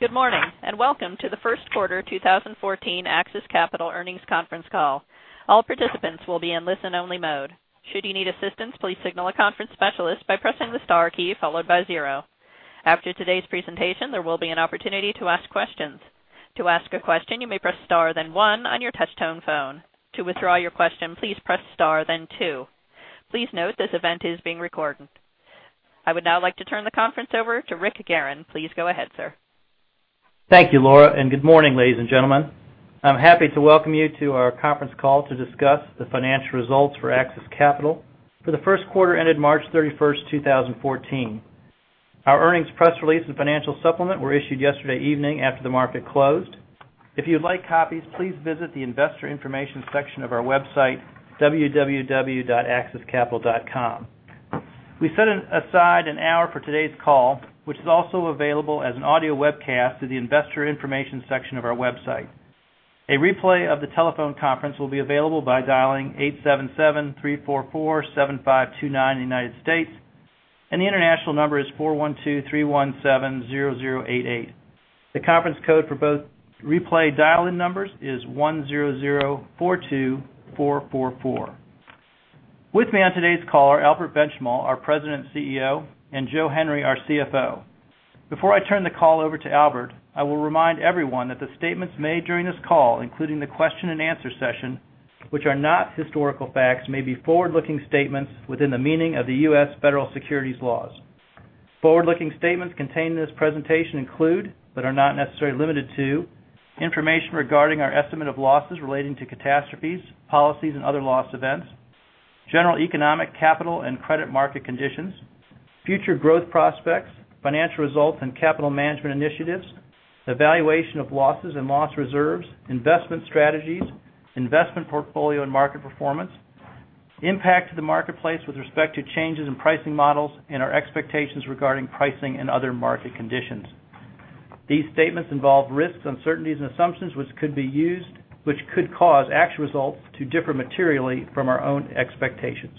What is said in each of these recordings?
Good morning, welcome to the first quarter 2014 AXIS Capital earnings conference call. All participants will be in listen-only mode. Should you need assistance, please signal a conference specialist by pressing the star key followed by zero. After today's presentation, there will be an opportunity to ask questions. To ask a question, you may press star then one on your touch tone phone. To withdraw your question, please press star then two. Please note this event is being recorded. I would now like to turn the conference over to Rick Garren. Please go ahead, sir. Thank you, Laura, good morning, ladies and gentlemen. I'm happy to welcome you to our conference call to discuss the financial results for AXIS Capital for the first quarter ended March 31st, 2014. Our earnings press release and financial supplement were issued yesterday evening after the market closed. If you'd like copies, please visit the investor information section of our website, www.axiscapital.com. We set aside an hour for today's call, which is also available as an audio webcast through the investor information section of our website. A replay of the telephone conference will be available by dialing 877-344-7529 in the U.S., the international number is 412-317-0088. The conference code for both replay dial-in numbers is 10042444. With me on today's call are Albert Benchimol, our President and CEO, and Joseph Henry, our CFO. Before I turn the call over to Albert, I will remind everyone that the statements made during this call, including the question and answer session, which are not historical facts, may be forward-looking statements within the meaning of the U.S. federal securities laws. Forward-looking statements contained in this presentation include, but are not necessarily limited to, information regarding our estimate of losses relating to catastrophes, policies, and other loss events, general economic, capital, and credit market conditions, future growth prospects, financial results, and capital management initiatives, the valuation of losses and loss reserves, investment strategies, investment portfolio and market performance, impact to the marketplace with respect to changes in pricing models, and our expectations regarding pricing and other market conditions. These statements involve risks, uncertainties, and assumptions which could cause actual results to differ materially from our own expectations.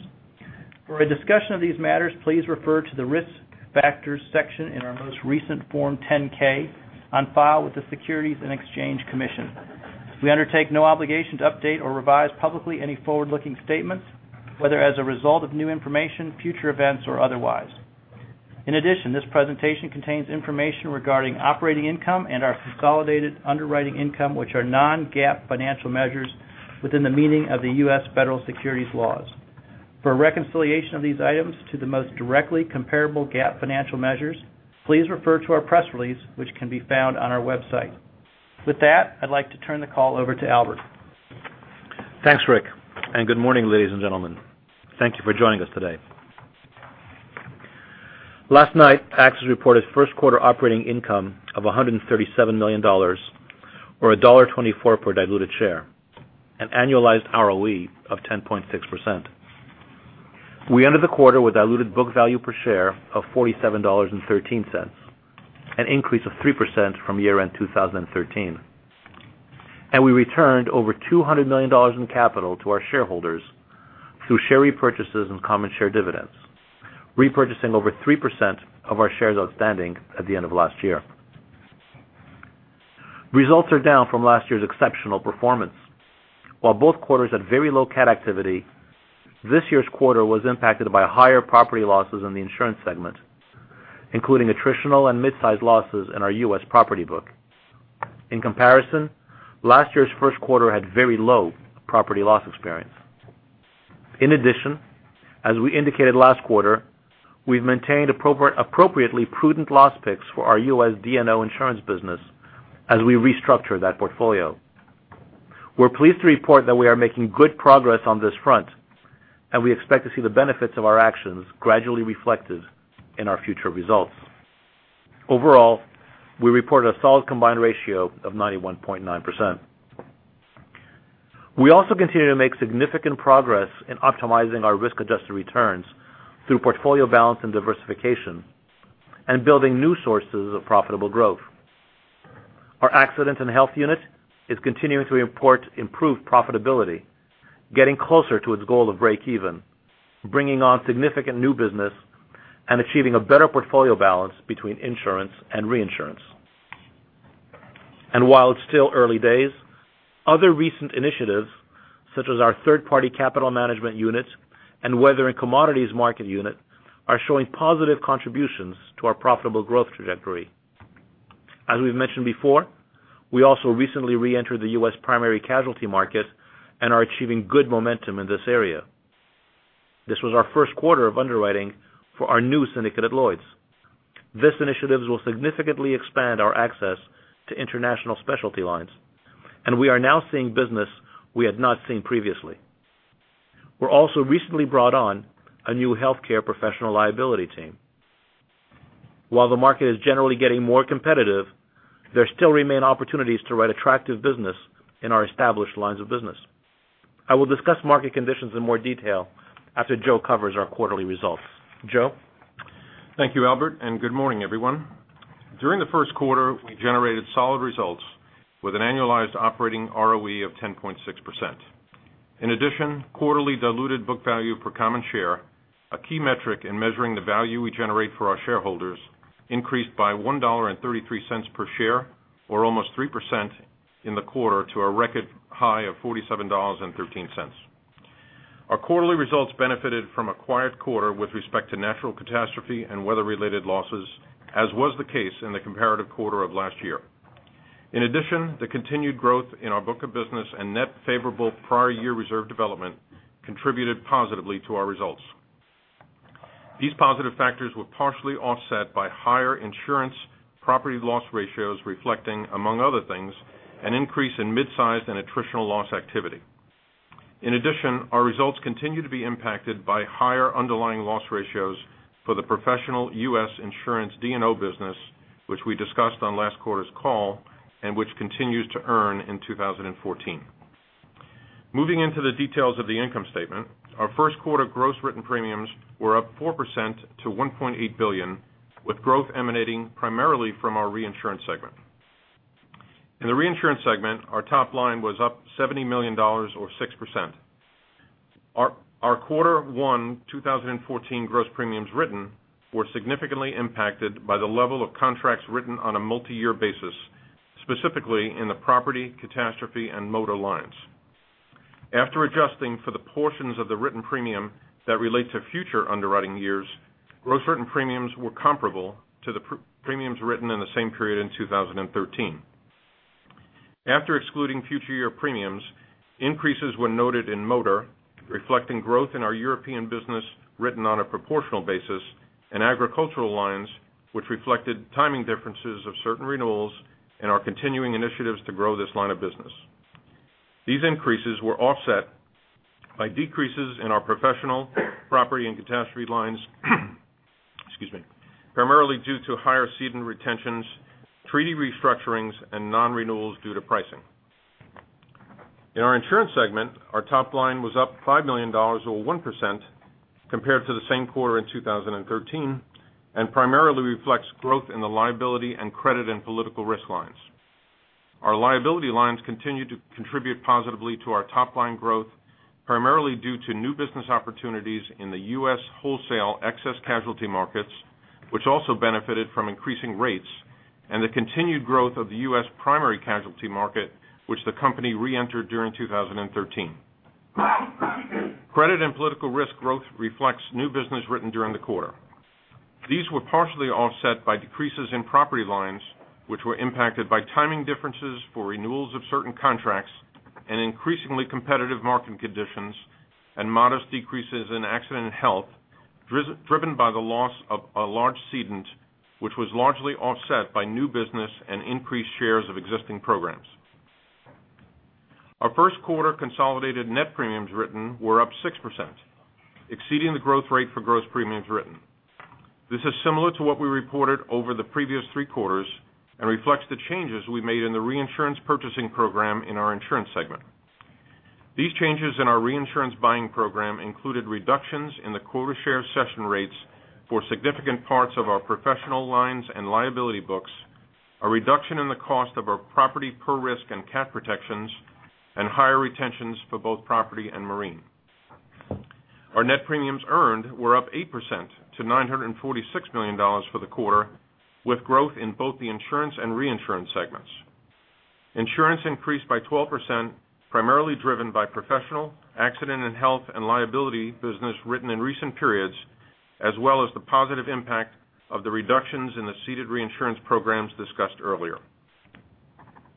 For a discussion of these matters, please refer to the Risk Factors section in our most recent Form 10-K on file with the Securities and Exchange Commission. We undertake no obligation to update or revise publicly any forward-looking statements, whether as a result of new information, future events, or otherwise. In addition, this presentation contains information regarding operating income and our consolidated underwriting income, which are non-GAAP financial measures within the meaning of the U.S. federal securities laws. For a reconciliation of these items to the most directly comparable GAAP financial measures, please refer to our press release, which can be found on our website. With that, I'd like to turn the call over to Albert. Thanks, Rick, and good morning, ladies and gentlemen. Thank you for joining us today. Last night, AXIS reported first quarter operating income of $137 million, or $1.24 per diluted share, an annualized ROE of 10.6%. We ended the quarter with diluted book value per share of $47.13, an increase of 3% from year-end 2013. We returned over $200 million in capital to our shareholders through share repurchases and common share dividends. Repurchasing over 3% of our shares outstanding at the end of last year. Results are down from last year's exceptional performance. While both quarters had very low CAT activity, this year's quarter was impacted by higher property losses in the insurance segment, including attritional and mid-sized losses in our U.S. property book. In comparison, last year's first quarter had very low property loss experience. In addition, as we indicated last quarter, we've maintained appropriately prudent loss picks for our U.S. D&O insurance business as we restructure that portfolio. We're pleased to report that we are making good progress on this front. We expect to see the benefits of our actions gradually reflected in our future results. Overall, we reported a solid combined ratio of 91.9%. We also continue to make significant progress in optimizing our risk-adjusted returns through portfolio balance and diversification and building new sources of profitable growth. Our accident and health unit is continuing to improve profitability, getting closer to its goal of break even, bringing on significant new business, and achieving a better portfolio balance between insurance and reinsurance. While it's still early days, other recent initiatives, such as our third-party capital management unit and weather and commodities market unit, are showing positive contributions to our profitable growth trajectory. As we've mentioned before, we also recently re-entered the U.S. primary casualty market and are achieving good momentum in this area. This was our first quarter of underwriting for our new syndicate at Lloyd's. This initiative will significantly expand our access to international specialty lines. We are now seeing business we had not seen previously. We're also recently brought on a new healthcare professional liability team. While the market is generally getting more competitive, there still remain opportunities to write attractive business in our established lines of business. I will discuss market conditions in more detail after Joe covers our quarterly results. Joe? Thank you, Albert, good morning, everyone. During the first quarter, we generated solid results with an annualized operating ROE of 10.6%. In addition, quarterly diluted book value per common share, a key metric in measuring the value we generate for our shareholders, increased by $1.33 per share, or almost 3% in the quarter to a record high of $47.13. Our quarterly results benefited from a quiet quarter with respect to natural catastrophe and weather-related losses, as was the case in the comparative quarter of last year. In addition, the continued growth in our book of business and net favorable prior year reserve development contributed positively to our results. These positive factors were partially offset by higher insurance property loss ratios, reflecting, among other things, an increase in mid-sized and attritional loss activity. In addition, our results continue to be impacted by higher underlying loss ratios for the professional U.S. insurance D&O business, which we discussed on last quarter's call and which continues to earn in 2014. Moving into the details of the income statement. Our first quarter gross written premiums were up 4% to $1.8 billion, with growth emanating primarily from our reinsurance segment. In the reinsurance segment, our top line was up $70 million or 6%. Our quarter one 2014 gross premiums written were significantly impacted by the level of contracts written on a multi-year basis, specifically in the property, catastrophe, and motor lines. After adjusting for the portions of the written premium that relate to future underwriting years, gross written premiums were comparable to the premiums written in the same period in 2013. After excluding future year premiums, increases were noted in motor, reflecting growth in our European business written on a proportional basis, and agricultural lines, which reflected timing differences of certain renewals and our continuing initiatives to grow this line of business. These increases were offset by decreases in our professional property and catastrophe lines, excuse me, primarily due to higher ceding retentions, treaty restructurings and non-renewals due to pricing. In our insurance segment, our top line was up $5 million or 1% compared to the same quarter in 2013, and primarily reflects growth in the liability and credit and political risk lines. Our liability lines continue to contribute positively to our top-line growth, primarily due to new business opportunities in the U.S. wholesale excess casualty markets, which also benefited from increasing rates and the continued growth of the U.S. primary casualty market, which the company reentered during 2013. Credit and political risk growth reflects new business written during the quarter. These were partially offset by decreases in property lines, which were impacted by timing differences for renewals of certain contracts and increasingly competitive market conditions and modest decreases in accident and health, driven by the loss of a large cedant, which was largely offset by new business and increased shares of existing programs. Our first quarter consolidated net premiums written were up 6%, exceeding the growth rate for gross premiums written. This is similar to what we reported over the previous three quarters and reflects the changes we made in the reinsurance purchasing program in our insurance segment. These changes in our reinsurance buying program included reductions in the quota share cession rates for significant parts of our professional lines and liability books, a reduction in the cost of our property per risk and CAT protections, and higher retentions for both property and marine. Our net premiums earned were up 8% to $946 million for the quarter, with growth in both the insurance and reinsurance segments. Insurance increased by 12%, primarily driven by professional, Accident & Health, and liability business written in recent periods, as well as the positive impact of the reductions in the ceded reinsurance programs discussed earlier.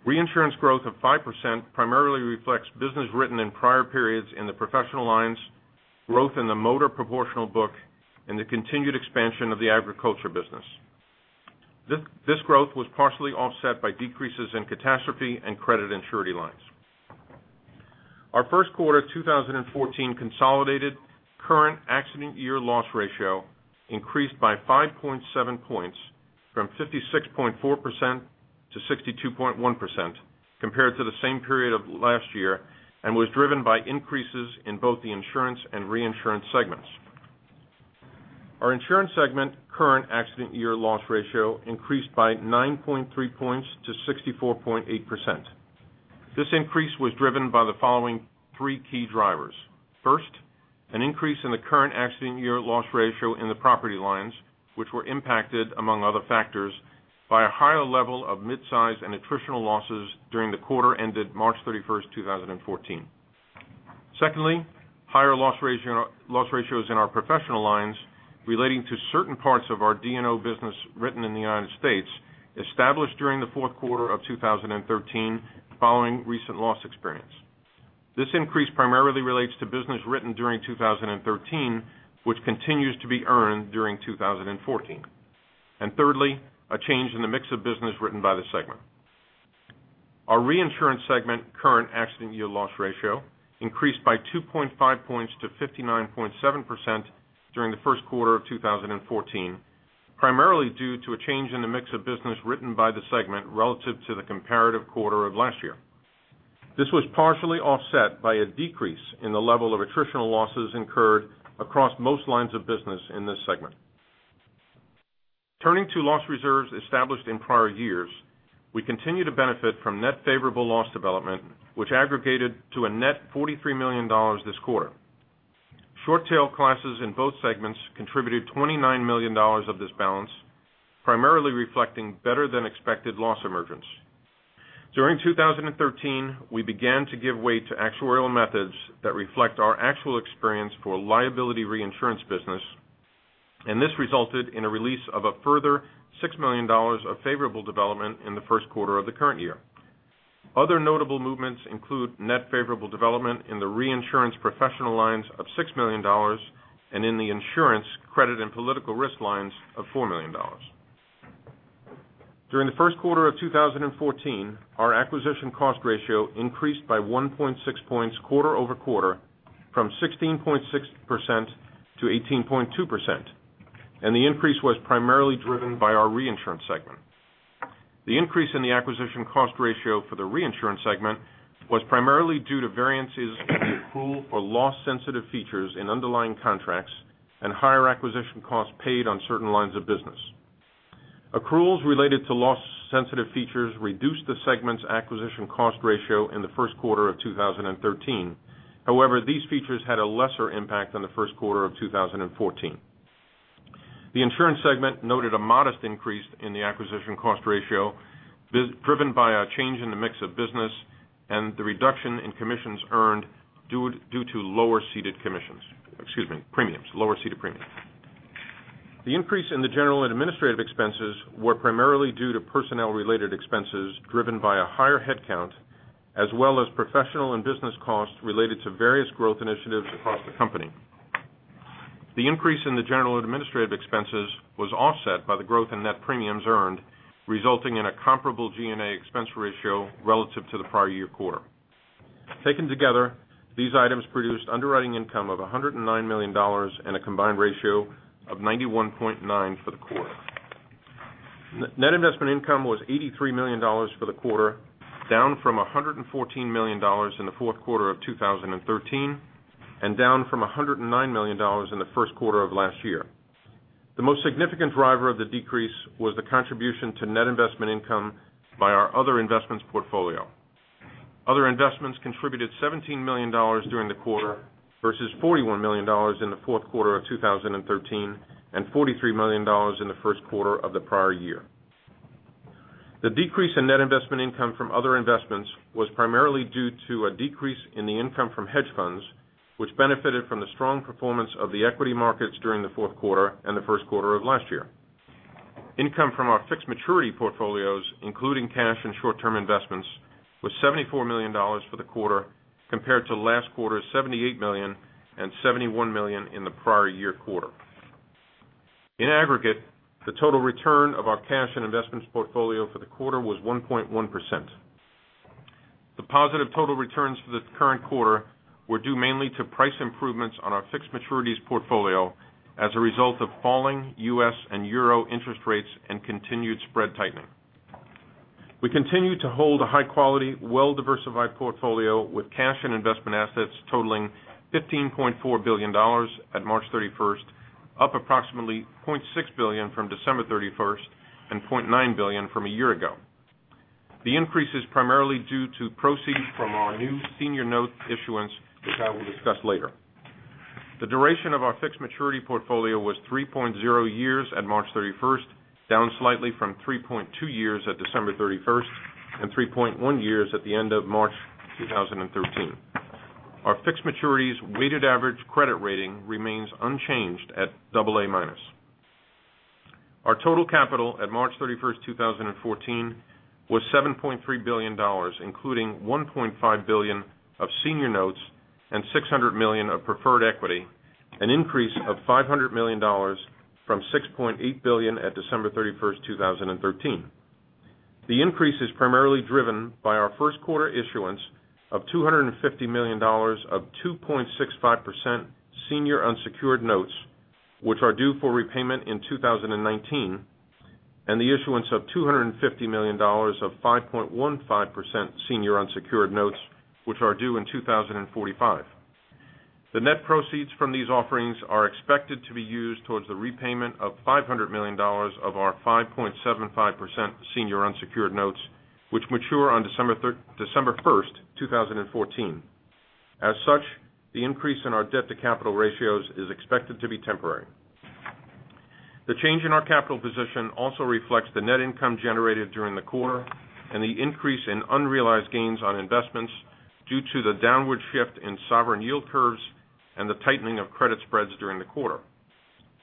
Reinsurance growth of 5% primarily reflects business written in prior periods in the professional lines, growth in the motor proportional book, and the continued expansion of the agriculture business. This growth was partially offset by decreases in catastrophe and credit and surety lines. Our first quarter 2014 consolidated current accident year loss ratio increased by 5.7 points from 56.4% to 62.1% compared to the same period of last year, was driven by increases in both the insurance and reinsurance segments. Our insurance segment current accident year loss ratio increased by 9.3 points to 64.8%. This increase was driven by the following three key drivers. First, an increase in the current accident year loss ratio in the property lines, which were impacted, among other factors, by a higher level of mid-size and attritional losses during the quarter ended March 31st, 2014. Secondly, higher loss ratios in our professional lines relating to certain parts of our D&O business written in the U.S., established during the fourth quarter of 2013 following recent loss experience. This increase primarily relates to business written during 2013, which continues to be earned during 2014. Thirdly, a change in the mix of business written by the segment. Our reinsurance segment current accident year loss ratio increased by 2.5 points to 59.7% during the first quarter of 2014, primarily due to a change in the mix of business written by the segment relative to the comparative quarter of last year. This was partially offset by a decrease in the level of attritional losses incurred across most lines of business in this segment. Turning to loss reserves established in prior years, we continue to benefit from net favorable loss development, which aggregated to a net $43 million this quarter. Short tail classes in both segments contributed $29 million of this balance, primarily reflecting better than expected loss emergence. During 2013, we began to give way to actuarial methods that reflect our actual experience for liability reinsurance business. This resulted in a release of a further $6 million of favorable development in the first quarter of the current year. Other notable movements include net favorable development in the reinsurance professional lines of $6 million in the insurance credit and political risk lines of $4 million. During the first quarter of 2014, our acquisition cost ratio increased by 1.6 points quarter-over-quarter from 16.6% to 18.2%. The increase was primarily driven by our reinsurance segment. The increase in the acquisition cost ratio for the reinsurance segment was primarily due to variances in the accrual or loss sensitive features in underlying contracts and higher acquisition costs paid on certain lines of business. Accruals related to loss sensitive features reduced the segment's acquisition cost ratio in the first quarter of 2013. However, these features had a lesser impact on the first quarter of 2014. The insurance segment noted a modest increase in the acquisition cost ratio, driven by a change in the mix of business and the reduction in commissions earned due to lower ceded premiums. The increase in the general and administrative expenses was primarily due to personnel related expenses driven by a higher headcount, as well as professional and business costs related to various growth initiatives across the company. The increase in the general and administrative expenses was offset by the growth in net premiums earned, resulting in a comparable G&A expense ratio relative to the prior year quarter. Taken together, these items produced underwriting income of $109 million and a combined ratio of 91.9% for the quarter. Net investment income was $83 million for the quarter, down from $114 million in the fourth quarter of 2013, and down from $109 million in the first quarter of last year. The most significant driver of the decrease was the contribution to net investment income by our other investments portfolio. Other investments contributed $17 million during the quarter versus $41 million in the fourth quarter of 2013 and $43 million in the first quarter of the prior year. The decrease in net investment income from other investments was primarily due to a decrease in the income from hedge funds, which benefited from the strong performance of the equity markets during the fourth quarter and the first quarter of last year. Income from our fixed maturity portfolios, including cash and short-term investments, was $74 million for the quarter, compared to last quarter's $78 million and $71 million in the prior year quarter. In aggregate, the total return of our cash and investments portfolio for the quarter was 1.1%. The positive total returns for the current quarter were due mainly to price improvements on our fixed maturities portfolio as a result of falling U.S. and Euro interest rates and continued spread tightening. We continue to hold a high quality, well-diversified portfolio with cash and investment assets totaling $15.4 billion at March 31st, up approximately $0.6 billion from December 31st and $0.9 billion from a year ago. The increase is primarily due to proceeds from our new senior note issuance, which I will discuss later. The duration of our fixed maturity portfolio was 3.0 years at March 31st, down slightly from 3.2 years at December 31st and 3.1 years at the end of March 2013. Our fixed maturities weighted average credit rating remains unchanged at AA-. Our total capital at March 31st, 2014, was $7.3 billion, including $1.5 billion of senior notes and $600 million of preferred equity, an increase of $500 million from $6.8 billion at December 31st, 2013. The increase is primarily driven by our first quarter issuance of $250 million of 2.65% senior unsecured notes, which are due for repayment in 2019, and the issuance of $250 million of 5.15% senior unsecured notes, which are due in 2045. The net proceeds from these offerings are expected to be used towards the repayment of $500 million of our 5.75% senior unsecured notes, which mature on December 1st, 2014. As such, the increase in our debt to capital ratios is expected to be temporary. The change in our capital position also reflects the net income generated during the quarter and the increase in unrealized gains on investments due to the downward shift in sovereign yield curves and the tightening of credit spreads during the quarter.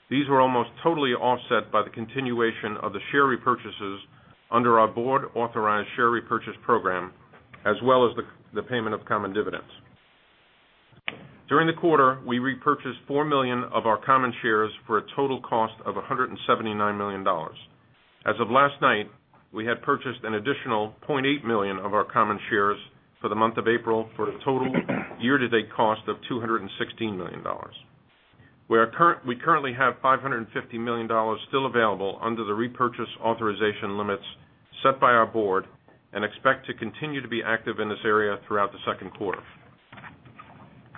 These were almost totally offset by the continuation of the share repurchases under our board authorized share repurchase program, as well as the payment of common dividends. During the quarter, we repurchased 4 million of our common shares for a total cost of $179 million. As of last night, we had purchased an additional 0.8 million of our common shares for the month of April for a total year-to-date cost of $216 million. We currently have $550 million still available under the repurchase authorization limits set by our board. Expect to continue to be active in this area throughout the second quarter.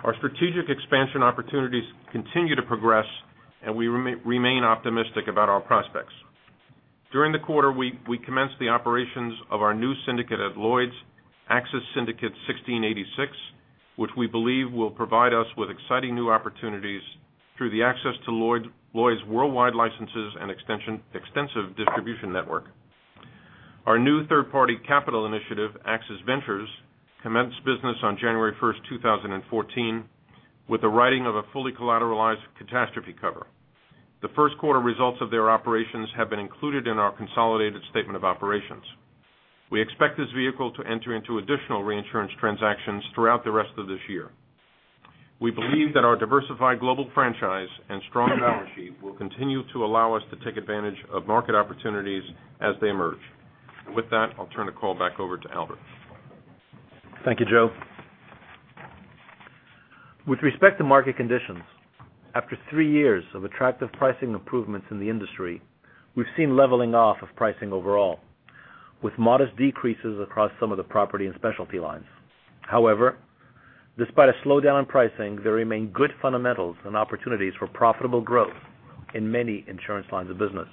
Our strategic expansion opportunities continue to progress. We remain optimistic about our prospects. During the quarter, we commenced the operations of our new syndicate at Lloyd's, AXIS Syndicate 1686, which we believe will provide us with exciting new opportunities through the access to Lloyd's worldwide licenses and extensive distribution network. Our new third-party capital initiative, AXIS Ventures, commenced business on January 1st, 2014, with the writing of a fully collateralized catastrophe cover. The first quarter results of their operations have been included in our consolidated statement of operations. We expect this vehicle to enter into additional reinsurance transactions throughout the rest of this year. We believe that our diversified global franchise and strong balance sheet will continue to allow us to take advantage of market opportunities as they emerge. With that, I'll turn the call back over to Albert. Thank you, Joe. With respect to market conditions, after three years of attractive pricing improvements in the industry, we've seen leveling off of pricing overall, with modest decreases across some of the property and specialty lines. Despite a slowdown in pricing, there remain good fundamentals and opportunities for profitable growth in many insurance lines of business.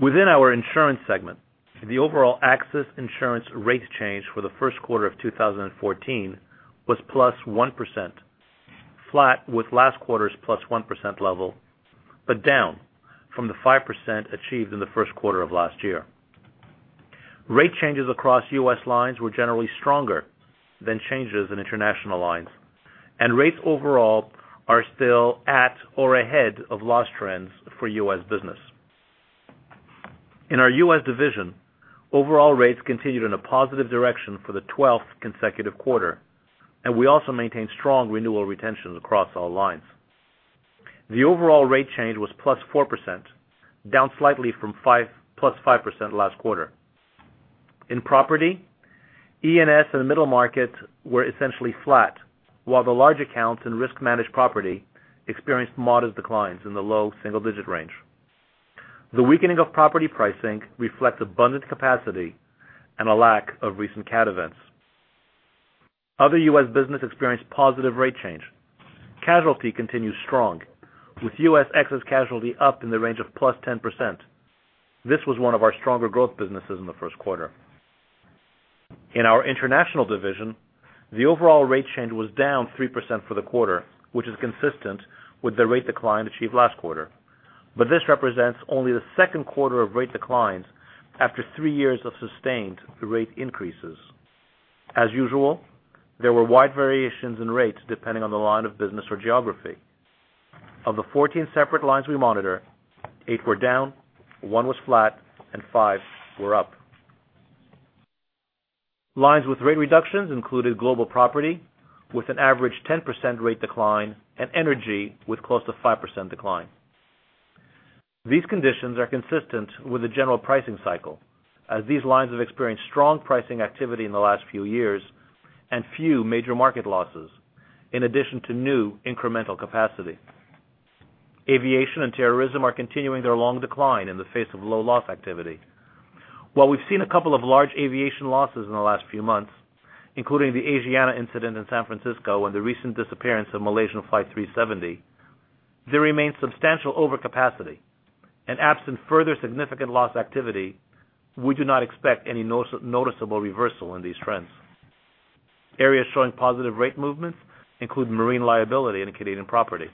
Within our insurance segment, the overall AXIS insurance rates change for the first quarter of 2014 was plus 1%, flat with last quarter's plus 1% level, but down from the 5% achieved in the first quarter of last year. Rate changes across U.S. lines were generally stronger than changes in international lines. Rates overall are still at or ahead of loss trends for U.S. business. In our U.S. division, overall rates continued in a positive direction for the 12th consecutive quarter. We also maintained strong renewal retention across all lines. The overall rate change was +4%, down slightly from +5% last quarter. In property, E&S and the middle market were essentially flat, while the large accounts and risk-managed property experienced modest declines in the low single-digit range. The weakening of property pricing reflects abundant capacity and a lack of recent CAT events. Other U.S. business experienced positive rate change. Casualty continued strong, with U.S. excess casualty up in the range of +10%. This was one of our stronger growth businesses in the first quarter. In our international division, the overall rate change was -3% for the quarter, which is consistent with the rate decline achieved last quarter. This represents only the second quarter of rate declines after three years of sustained rate increases. As usual, there were wide variations in rates depending on the line of business or geography. Of the 14 separate lines we monitor, eight were down, one was flat, and five were up. Lines with rate reductions included global property, with an average 10% rate decline, and energy, with close to 5% decline. These conditions are consistent with the general pricing cycle, as these lines have experienced strong pricing activity in the last few years and few major market losses, in addition to new incremental capacity. Aviation and terrorism are continuing their long decline in the face of low loss activity. We've seen a couple of large aviation losses in the last few months, including the Asiana incident in San Francisco and the recent disappearance of Malaysia Airlines Flight 370, there remains substantial overcapacity, and absent further significant loss activity, we do not expect any noticeable reversal in these trends. Areas showing positive rate movements include marine liability and Canadian property.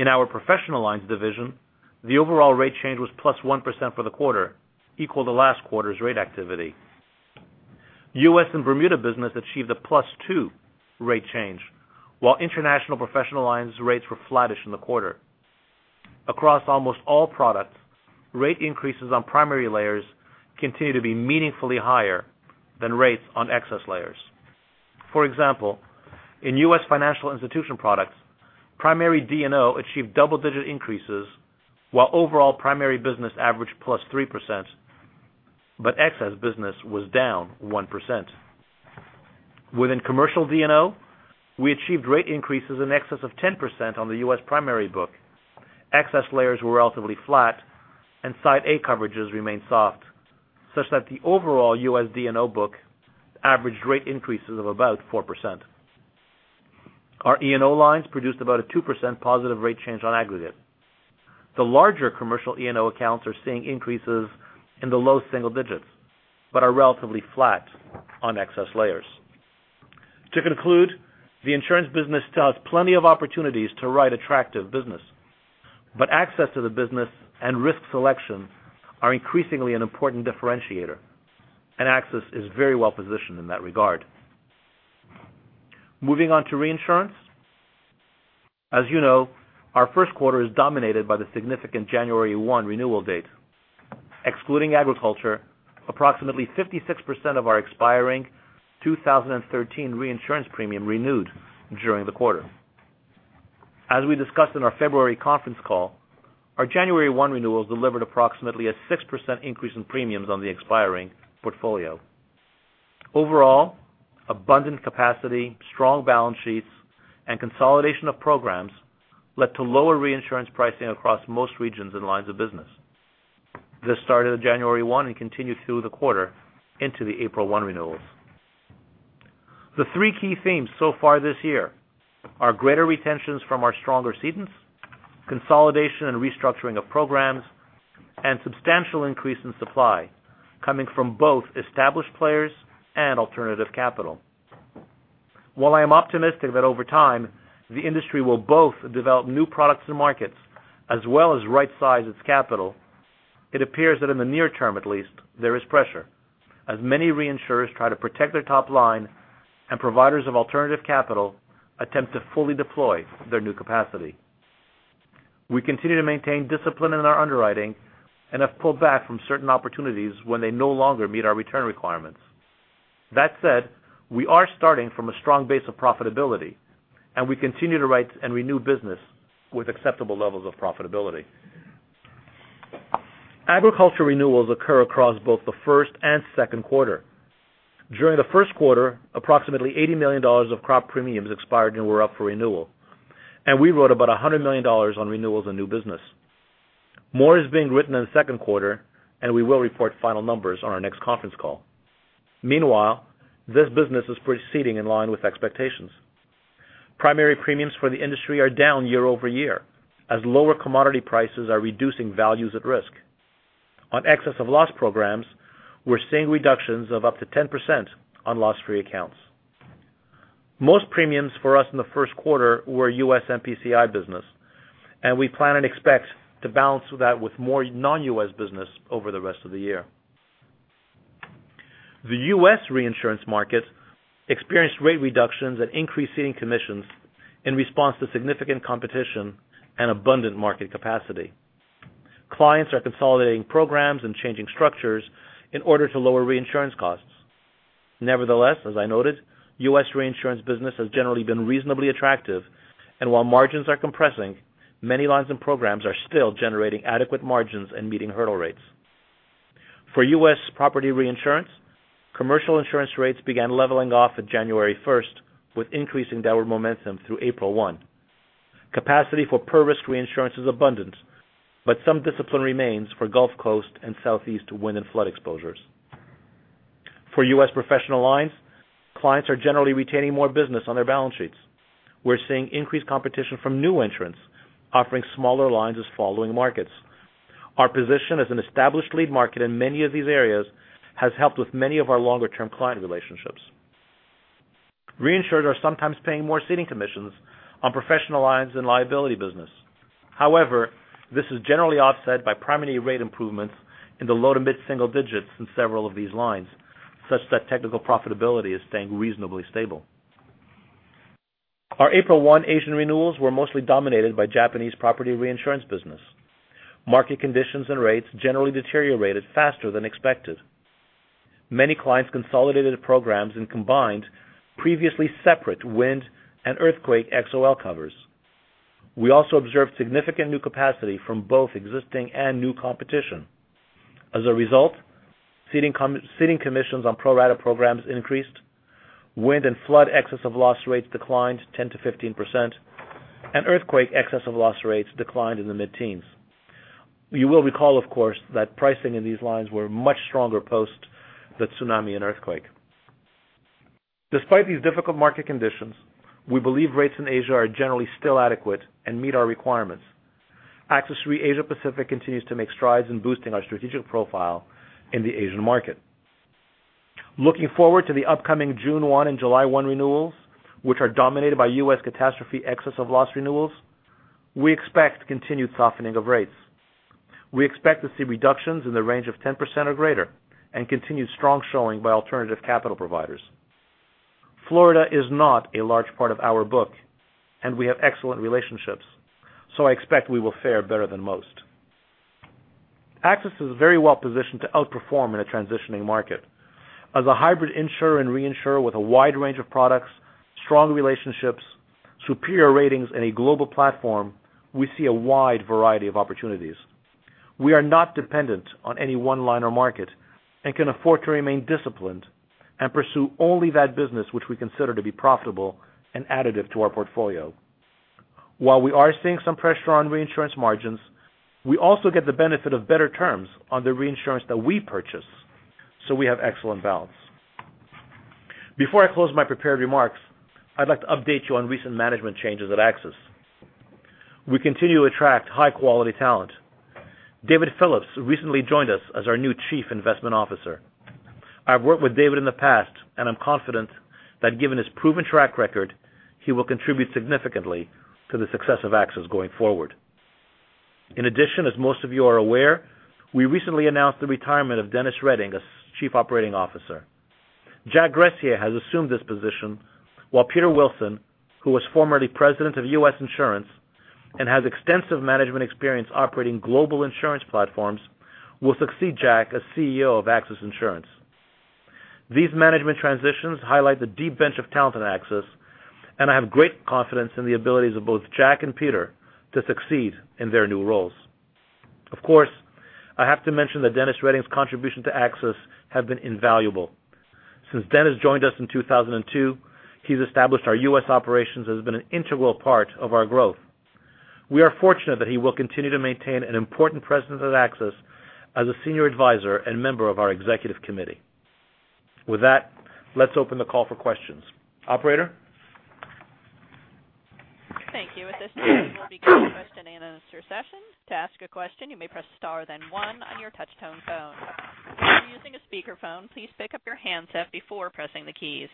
In our professional lines division, the overall rate change was +1% for the quarter, equal to last quarter's rate activity. U.S. and Bermuda business achieved a +2 rate change, while international professional lines rates were flattish in the quarter. Across almost all products, rate increases on primary layers continue to be meaningfully higher than rates on excess layers. For example, in U.S. financial institution products, primary D&O achieved double-digit increases while overall primary business averaged +3%, but excess business was -1%. Within commercial D&O, we achieved rate increases in excess of 10% on the U.S. primary book. Excess layers were relatively flat and Side A coverages remained soft, such that the overall U.S. D&O book averaged rate increases of about 4%. Our E&O lines produced about a 2% positive rate change on aggregate. The larger commercial E&O accounts are seeing increases in the low single digits, but are relatively flat on excess layers. To conclude, the insurance business still has plenty of opportunities to write attractive business, but access to the business and risk selection are increasingly an important differentiator, and AXIS is very well-positioned in that regard. Moving on to reinsurance. As you know, our first quarter is dominated by the significant January 1 renewal date. Excluding agriculture, approximately 56% of our expiring 2013 reinsurance premium renewed during the quarter. As we discussed in our February conference call, our January 1 renewals delivered approximately a 6% increase in premiums on the expiring portfolio. Overall, abundant capacity, strong balance sheets, and consolidation of programs led to lower reinsurance pricing across most regions and lines of business. This started January 1 and continued through the quarter into the April 1 renewals. The three key themes so far this year are greater retentions from our stronger cedents, consolidation and restructuring of programs, and substantial increase in supply coming from both established players and alternative capital. While I am optimistic that over time, the industry will both develop new products and markets as well as right-size its capital, it appears that in the near term at least, there is pressure as many reinsurers try to protect their top line and providers of alternative capital attempt to fully deploy their new capacity. We continue to maintain discipline in our underwriting and have pulled back from certain opportunities when they no longer meet our return requirements. That said, we are starting from a strong base of profitability, and we continue to write and renew business with acceptable levels of profitability. Agriculture renewals occur across both the first and second quarter. During the first quarter, approximately $80 million of crop premiums expired and were up for renewal, and we wrote about $100 million on renewals and new business. More is being written in the second quarter, and we will report final numbers on our next conference call. Meanwhile, this business is proceeding in line with expectations. Primary premiums for the industry are down year-over-year, as lower commodity prices are reducing values at risk. On excess of loss programs, we're seeing reductions of up to 10% on loss-free accounts. Most premiums for us in the first quarter were U.S. MPCI business, and we plan and expect to balance that with more non-U.S. business over the rest of the year. The U.S. reinsurance market experienced rate reductions and increased ceding commissions in response to significant competition and abundant market capacity. Clients are consolidating programs and changing structures in order to lower reinsurance costs. Nevertheless, as I noted, U.S. reinsurance business has generally been reasonably attractive, and while margins are compressing, many lines and programs are still generating adequate margins and meeting hurdle rates. For U.S. property reinsurance, commercial insurance rates began leveling off at January 1st, with increasing downward momentum through April 1. Capacity for per-risk reinsurance is abundant, but some discipline remains for Gulf Coast and Southeast wind and flood exposures. For U.S. professional lines, clients are generally retaining more business on their balance sheets. We're seeing increased competition from new entrants offering smaller lines as following markets. Our position as an established lead market in many of these areas has helped with many of our longer-term client relationships. Reinsurers are sometimes paying more ceding commissions on professional lines and liability business. However, this is generally offset by primary rate improvements in the low to mid-single digits in several of these lines, such that technical profitability is staying reasonably stable. Our April 1 Asian renewals were mostly dominated by Japanese property reinsurance business. Market conditions and rates generally deteriorated faster than expected. Many clients consolidated programs and combined previously separate wind and earthquake XOL covers. We also observed significant new capacity from both existing and new competition. As a result, ceding commissions on pro-rata programs increased, wind and flood excess of loss rates declined 10%-15%, and earthquake excess of loss rates declined in the mid-teens. You will recall, of course, that pricing in these lines were much stronger post the tsunami and earthquake. Despite these difficult market conditions, we believe rates in Asia are generally still adequate and meet our requirements. AXIS Re Asia Pacific continues to make strides in boosting our strategic profile in the Asian market. Looking forward to the upcoming June 1 and July 1 renewals, which are dominated by U.S. catastrophe excess of loss renewals, we expect continued softening of rates. We expect to see reductions in the range of 10% or greater and continued strong showing by alternative capital providers. Florida is not a large part of our book, and we have excellent relationships, I expect we will fare better than most. AXIS is very well positioned to outperform in a transitioning market. As a hybrid insurer and reinsurer with a wide range of products, strong relationships, superior ratings, and a global platform, we see a wide variety of opportunities. We are not dependent on any one line or market and can afford to remain disciplined and pursue only that business which we consider to be profitable and additive to our portfolio. While we are seeing some pressure on reinsurance margins, we also get the benefit of better terms on the reinsurance that we purchase, we have excellent balance. Before I close my prepared remarks, I'd like to update you on recent management changes at AXIS. We continue to attract high-quality talent. David Phillips recently joined us as our new chief investment officer. I've worked with David in the past, and I'm confident that given his proven track record, he will contribute significantly to the success of AXIS going forward. In addition, as most of you are aware, we recently announced the retirement of Dennis Reding as chief operating officer. Jack Gressier has assumed this position, while Peter Wilson, who was formerly president of U.S. Insurance and has extensive management experience operating global insurance platforms, will succeed Jack as CEO of AXIS Insurance. These management transitions highlight the deep bench of talent at AXIS, and I have great confidence in the abilities of both Jack and Peter to succeed in their new roles. Of course, I have to mention that Dennis Reding's contributions to AXIS have been invaluable. Since Dennis joined us in 2002, he's established our U.S. operations as been an integral part of our growth. We are fortunate that he will continue to maintain an important presence at AXIS as a senior advisor and member of our executive committee. With that, let's open the call for questions. Operator? Thank you. At this time, we'll begin the question and answer session. To ask a question, you may press star then one on your touch-tone phone. If you're using a speakerphone, please pick up your handset before pressing the keys.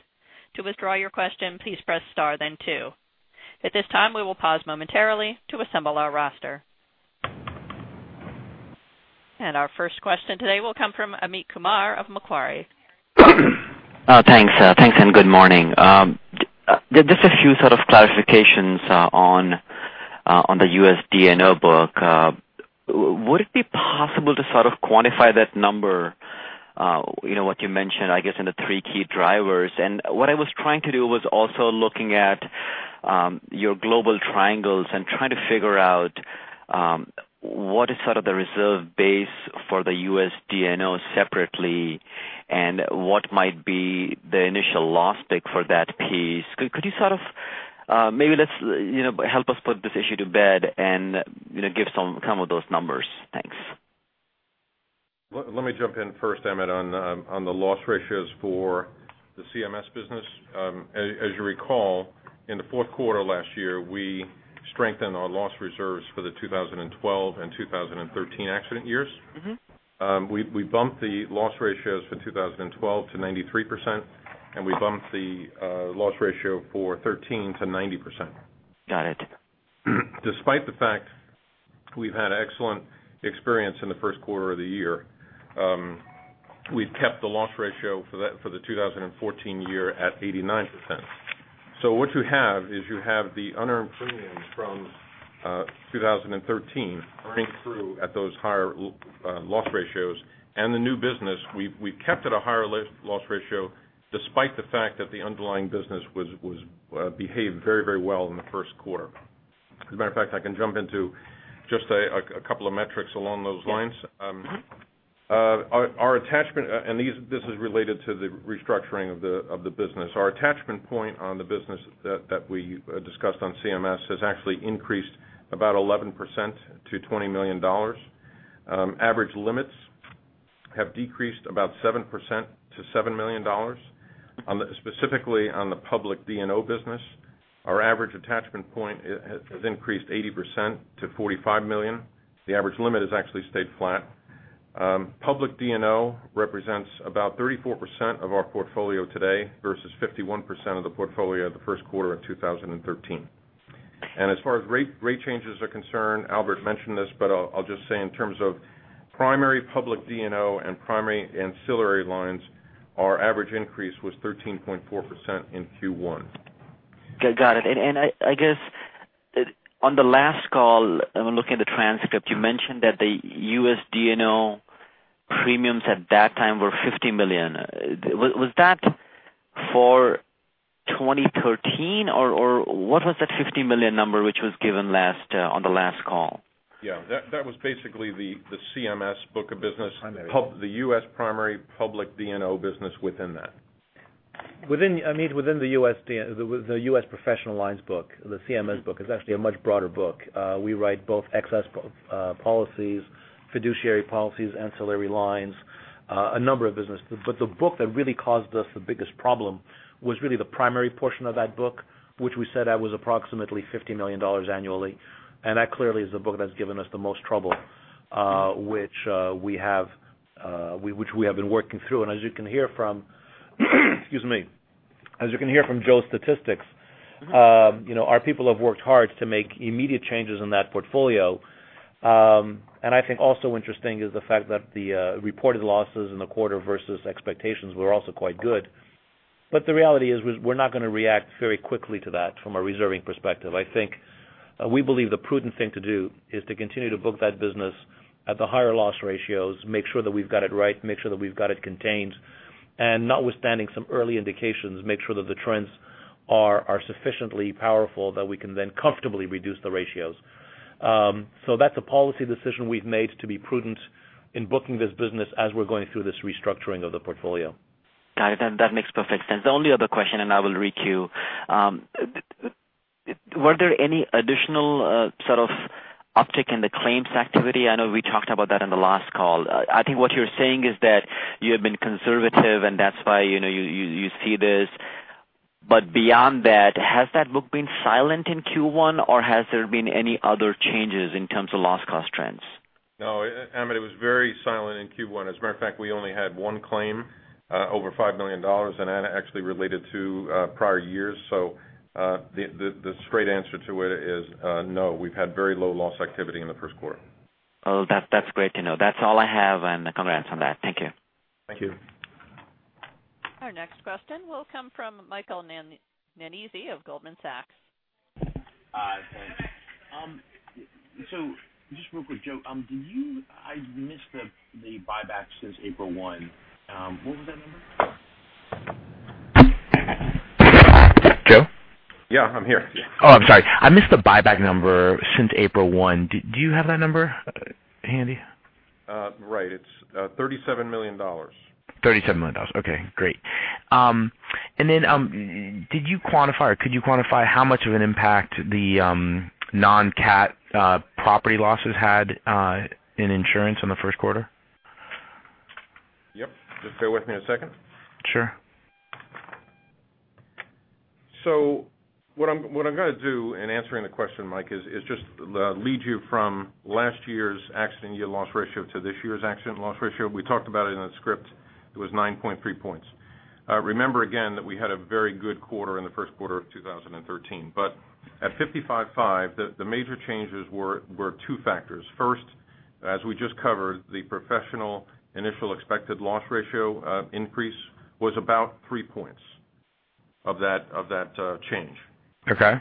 To withdraw your question, please press star then two. At this time, we will pause momentarily to assemble our roster. Our first question today will come from Amit Kumar of Macquarie. Thanks. Good morning. Just a few sort of clarifications on the U.S. D&O book. Would it be possible to sort of quantify that number, what you mentioned, I guess, in the three key drivers? What I was trying to do was also looking at your global triangles and trying to figure out what is sort of the reserve base for the U.S. D&O separately and what might be the initial loss pick for that piece. Maybe let's help us put this issue to bed and give some of those numbers. Thanks. Let me jump in first, Amit, on the loss ratios for the CMS business. As you recall, in the fourth quarter last year, we strengthened our loss reserves for the 2012 and 2013 accident years. We bumped the loss ratios for 2012 to 93%. We bumped the loss ratio for 2013 to 90%. Got it. Despite the fact we've had excellent experience in the first quarter of the year, we've kept the loss ratio for the 2014 year at 89%. What you have is you have the unearned premiums from 2013 running through at those higher loss ratios. The new business, we've kept at a higher loss ratio despite the fact that the underlying business behaved very well in the first quarter. As a matter of fact, I can jump into just a couple of metrics along those lines. Our attachment, this is related to the restructuring of the business. Our attachment point on the business that we discussed on CMS has actually increased about 11% to $20 million. Average limits have decreased about 7% to $7 million. Specifically on the public D&O business, our average attachment point has increased 80% to $45 million. The average limit has actually stayed flat. Public D&O represents about 34% of our portfolio today versus 51% of the portfolio the first quarter of 2013. As far as rate changes are concerned, Albert mentioned this, but I'll just say in terms of primary public D&O and primary ancillary lines, our average increase was 13.4% in Q1. Got it. I guess on the last call, I've been looking at the transcript, you mentioned that the U.S. D&O premiums at that time were $50 million. Was that for 2013, or what was that $50 million number which was given on the last call? Yeah, that was basically the CMS book of business. Primary the U.S. primary public D&O business within that. Amit, within the U.S. professional lines book, the CMS book is actually a much broader book. We write both excess policies, fiduciary policies, ancillary lines, a number of business. The book that really caused us the biggest problem was really the primary portion of that book, which we said that was approximately $50 million annually. That clearly is the book that's given us the most trouble, which we have been working through. As you can hear from Joe's statistics. Our people have worked hard to make immediate changes in that portfolio. I think also interesting is the fact that the reported losses in the quarter versus expectations were also quite good. The reality is we're not going to react very quickly to that from a reserving perspective. I think we believe the prudent thing to do is to continue to book that business at the higher loss ratios, make sure that we've got it right, make sure that we've got it contained, and notwithstanding some early indications, make sure that the trends are sufficiently powerful that we can then comfortably reduce the ratios. That's a policy decision we've made to be prudent in booking this business as we're going through this restructuring of the portfolio. Got it. That makes perfect sense. The only other question, I will re-queue. Were there any additional sort of uptick in the claims activity? I know we talked about that on the last call. I think what you're saying is that you have been conservative and that's why you see this. Beyond that, has that book been silent in Q1, or has there been any other changes in terms of loss cost trends? No, Amit, it was very silent in Q1. As a matter of fact, we only had one claim over $5 million, and actually related to prior years. The straight answer to it is no. We've had very low loss activity in the first quarter. Oh, that's great to know. That's all I have, and congrats on that. Thank you. Thank you. Our next question will come from Michael Nannizzi of Goldman Sachs. Hi. Thanks. Just real quick, Joe, I missed the buyback since April one. What was that number? Yeah, I'm here. Oh, I'm sorry. I missed the buyback number since April 1. Do you have that number handy? Right. It's $37 million. $37 million. Okay, great. Could you quantify how much of an impact the non-CAT property losses had in insurance in the first quarter? Yep. Just bear with me a second. Sure. What I'm going to do in answering the question, Mike, is just lead you from last year's accident year loss ratio to this year's accident loss ratio. We talked about it in the script. It was 9.3 points. Remember again that we had a very good quarter in the first quarter of 2013. At 555, the major changes were two factors. First, as we just covered, the professional initial expected loss ratio increase was about three points of that change. Okay.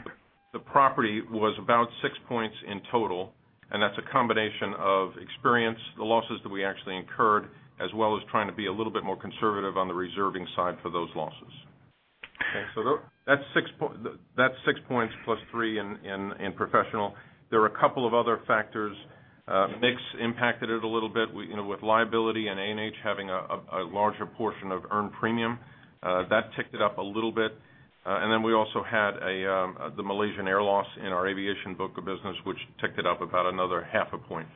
The property was about six points in total, that's a combination of experience, the losses that we actually incurred, as well as trying to be a little bit more conservative on the reserving side for those losses. Okay, that's six points plus three in professional. There are a couple of other factors. Mix impacted it a little bit with liability and A&H having a larger portion of earned premium. That ticked it up a little bit. We also had the Malaysia Airlines loss in our aviation book of business, which ticked it up about another half a point.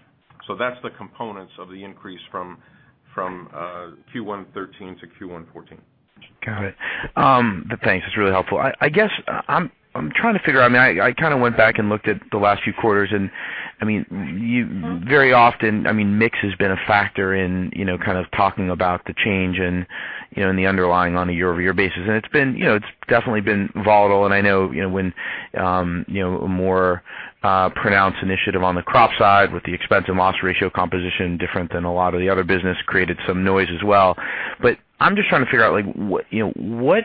That's the components of the increase from Q1 2013 to Q1 2014. Got it. Thanks. It's really helpful. I guess I'm trying to figure out, I kind of went back and looked at the last few quarters, very often, mix has been a factor in kind of talking about the change in the underlying on a year-over-year basis. It's definitely been volatile, I know when a more pronounced initiative on the crop side with the expense and loss ratio composition different than a lot of the other business created some noise as well. I'm just trying to figure out,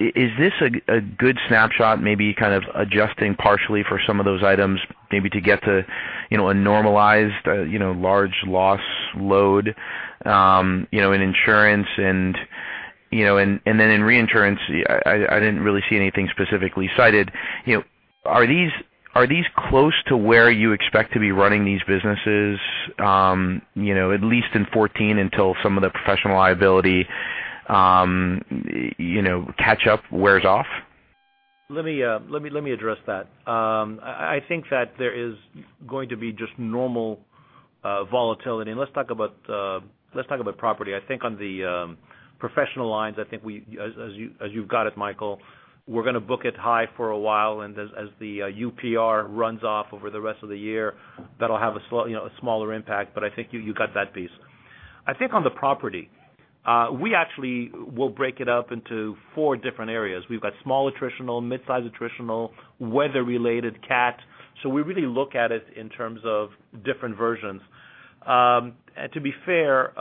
is this a good snapshot, maybe kind of adjusting partially for some of those items maybe to get to a normalized large loss load in insurance. Then in reinsurance, I didn't really see anything specifically cited. Are these close to where you expect to be running these businesses at least in 2014 until some of the professional liability catch-up wears off? Let me address that. I think that there is going to be just normal volatility. Let's talk about property. I think on the professional lines, I think as you've got it, Michael, we're going to book it high for a while, and as the UPR runs off over the rest of the year, that'll have a smaller impact, but I think you got that piece. I think on the property, we actually will break it up into four different areas. We've got small attritional, midsize attritional, weather-related CAT, so we really look at it in terms of different versions. To be fair,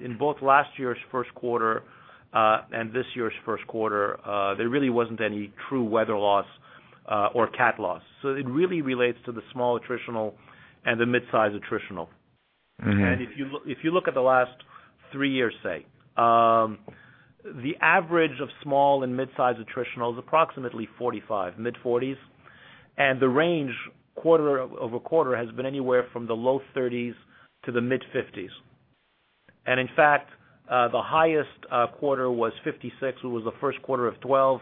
in both last year's first quarter, and this year's first quarter, there really wasn't any true weather loss or CAT loss. It really relates to the small attritional and the mid-size attritional. If you look at the last three years, say, the average of small and mid-size attritional is approximately 45, mid-40s, and the range quarter-over-quarter has been anywhere from the low 30s to the mid-50s. In fact, the highest quarter was 56, which was the first quarter of 2012.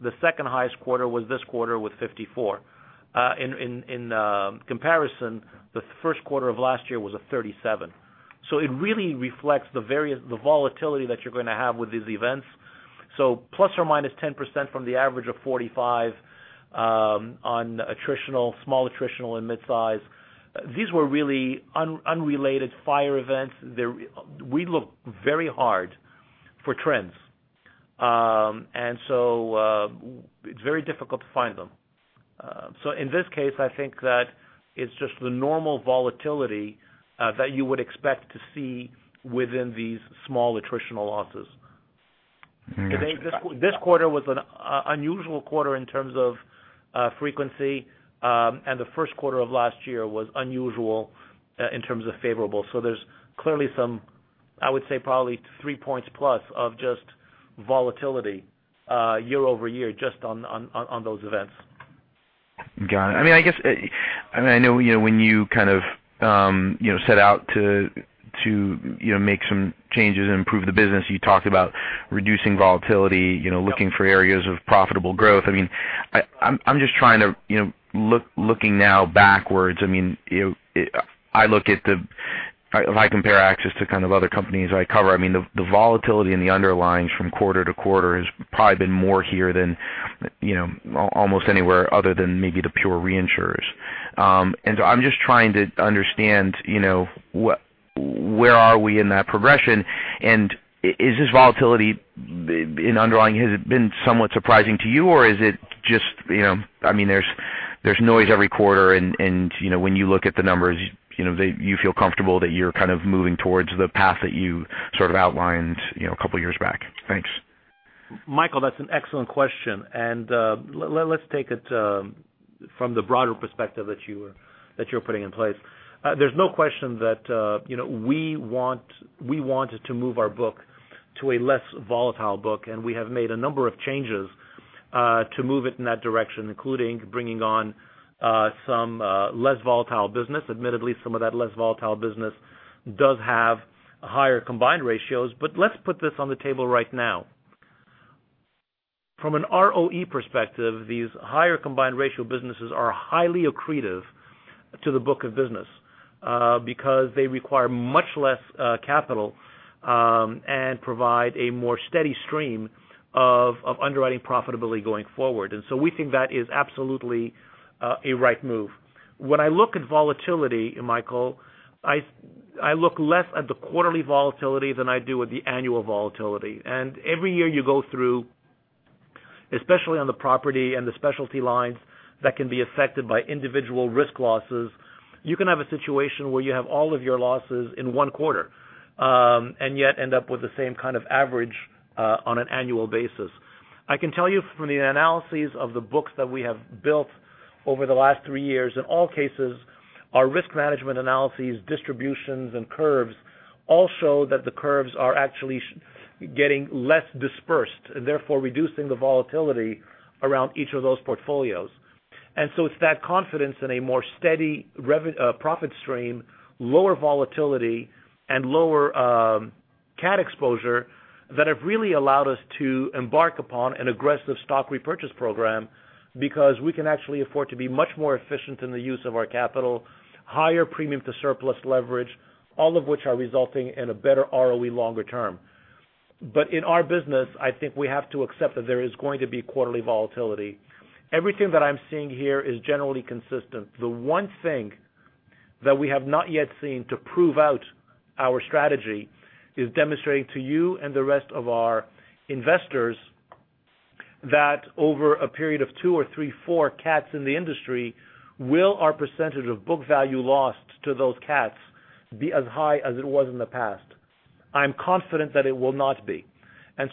The second highest quarter was this quarter with 54. In comparison, the first quarter of last year was a 37. It really reflects the volatility that you're going to have with these events. Plus or minus 10% from the average of 45 on attritional, small attritional, and midsize. These were really unrelated fire events. We look very hard for trends. It's very difficult to find them. In this case, I think that it's just the normal volatility that you would expect to see within these small attritional losses. This quarter was an unusual quarter in terms of frequency, the first quarter of last year was unusual in terms of favorable. There's clearly some, I would say, probably three points plus of just volatility year-over-year just on those events. Got it. I guess I know when you kind of set out to make some changes and improve the business, you talked about reducing volatility, looking for areas of profitable growth. I'm just trying to, looking now backwards, if I compare AXIS to kind of other companies I cover, the volatility in the underlyings from quarter-to-quarter has probably been more here than almost anywhere other than maybe the pure reinsurers. I'm just trying to understand where are we in that progression and is this volatility in underlying, has it been somewhat surprising to you or is it just there's noise every quarter, and when you look at the numbers, you feel comfortable that you're kind of moving towards the path that you sort of outlined a couple of years back? Thanks. Michael, that's an excellent question. Let's take it from the broader perspective that you're putting in place. There's no question that we wanted to move our book To a less volatile book. We have made a number of changes to move it in that direction, including bringing on some less volatile business. Admittedly, some of that less volatile business does have higher combined ratios. Let's put this on the table right now. From an ROE perspective, these higher combined ratio businesses are highly accretive to the book of business because they require much less capital and provide a more steady stream of underwriting profitability going forward. We think that is absolutely a right move. When I look at volatility, Michael, I look less at the quarterly volatility than I do at the annual volatility. Every year you go through, especially on the property and the specialty lines that can be affected by individual risk losses, you can have a situation where you have all of your losses in one quarter, yet end up with the same kind of average on an annual basis. I can tell you from the analyses of the books that we have built over the last three years, in all cases, our risk management analyses, distributions, and curves all show that the curves are actually getting less dispersed, therefore reducing the volatility around each of those portfolios. It's that confidence in a more steady profit stream, lower volatility, and lower CAT exposure that have really allowed us to embark upon an aggressive stock repurchase program because we can actually afford to be much more efficient in the use of our capital, higher premium to surplus leverage, all of which are resulting in a better ROE longer term. In our business, I think we have to accept that there is going to be quarterly volatility. Everything that I'm seeing here is generally consistent. The one thing that we have not yet seen to prove out our strategy is demonstrating to you and the rest of our investors that over a period of two or three, four CATs in the industry, will our percentage of book value lost to those CATs be as high as it was in the past? I'm confident that it will not be.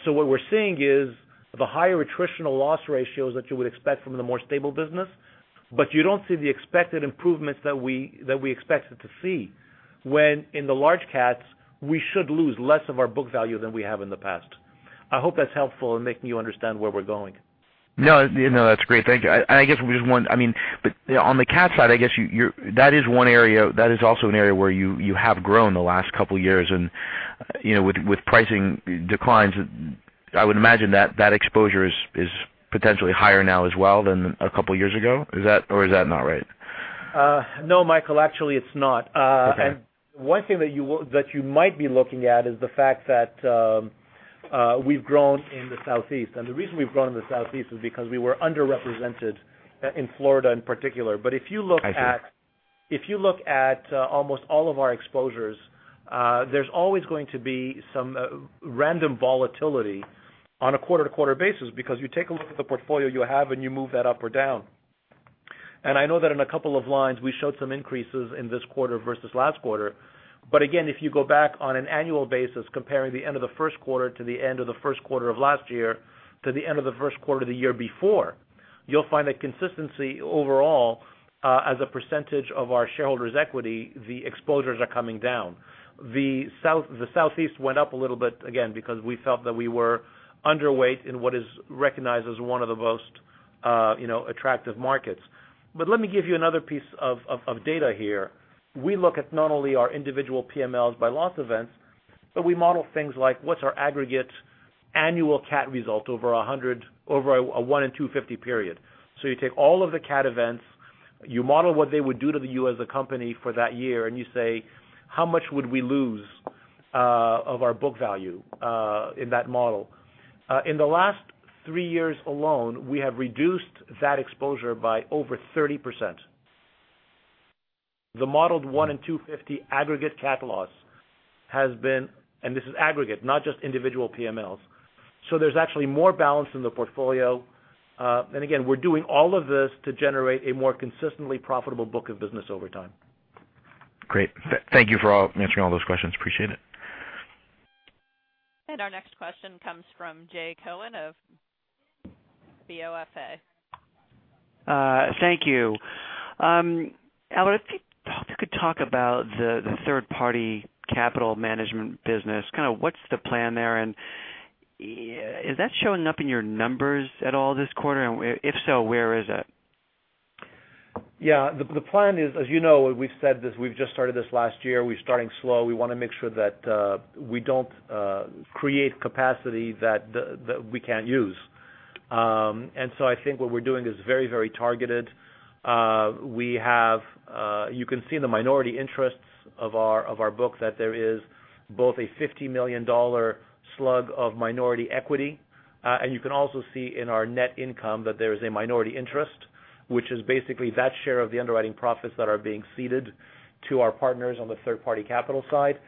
What we're seeing is the higher attritional loss ratios that you would expect from the more stable business, you don't see the expected improvements that we expected to see when in the large CATs, we should lose less of our book value than we have in the past. I hope that's helpful in making you understand where we're going. No, that's great. Thank you. On the CAT side, that is also an area where you have grown the last couple of years and with pricing declines, I would imagine that exposure is potentially higher now as well than a couple of years ago. Is that not right? No, Michael, actually, it's not. Okay. One thing that you might be looking at is the fact that we've grown in the Southeast. The reason we've grown in the Southeast is because we were underrepresented in Florida in particular. If you look at I see if you look at almost all of our exposures, there's always going to be some random volatility on a quarter-to-quarter basis because you take a look at the portfolio you have and you move that up or down. I know that in a couple of lines, we showed some increases in this quarter versus last quarter. Again, if you go back on an annual basis, comparing the end of the first quarter to the end of the first quarter of last year, to the end of the first quarter the year before, you'll find a consistency overall as a percentage of our shareholders' equity, the exposures are coming down. The Southeast went up a little bit, again, because we felt that we were underweight in what is recognized as one of the most attractive markets. Let me give you another piece of data here. We look at not only our individual PMLs by loss events, but we model things like what's our aggregate annual CAT result over a one in 250 period. You take all of the CAT events, you model what they would do to you as a company for that year, and you say, "How much would we lose of our book value in that model?" In the last three years alone, we have reduced that exposure by over 30%. The modeled one in 250 aggregate CAT loss has been, and this is aggregate, not just individual PMLs. There's actually more balance in the portfolio. Again, we're doing all of this to generate a more consistently profitable book of business over time. Great. Thank you for answering all those questions. Appreciate it. Our next question comes from Jay Cohen of BofA. Thank you. Albert, if you could talk about the third-party capital management business, kind of what's the plan there, and is that showing up in your numbers at all this quarter? If so, where is it? Yeah. The plan is, as you know, we've said this, we've just started this last year. We're starting slow. We want to make sure that we don't create capacity that we can't use. I think what we're doing is very targeted. You can see in the minority interests of our book that there is both a $50 million slug of minority equity, and you can also see in our net income that there is a minority interest, which is basically that share of the underwriting profits that are being ceded to our partners on the third-party capital side.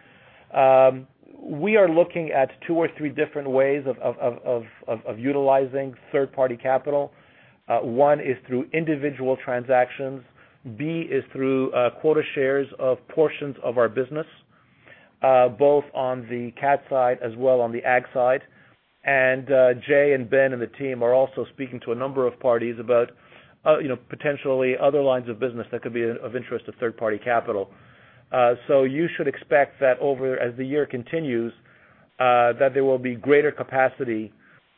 We are looking at two or three different ways of utilizing third-party capital. One is through individual transactions, B is through quota shares of portions of our business both on the CAT side as well on the ag side. Jay and Ben and the team are also speaking to a number of parties about potentially other lines of business that could be of interest to third-party capital. You should expect that as the year continues, that there will be greater capacity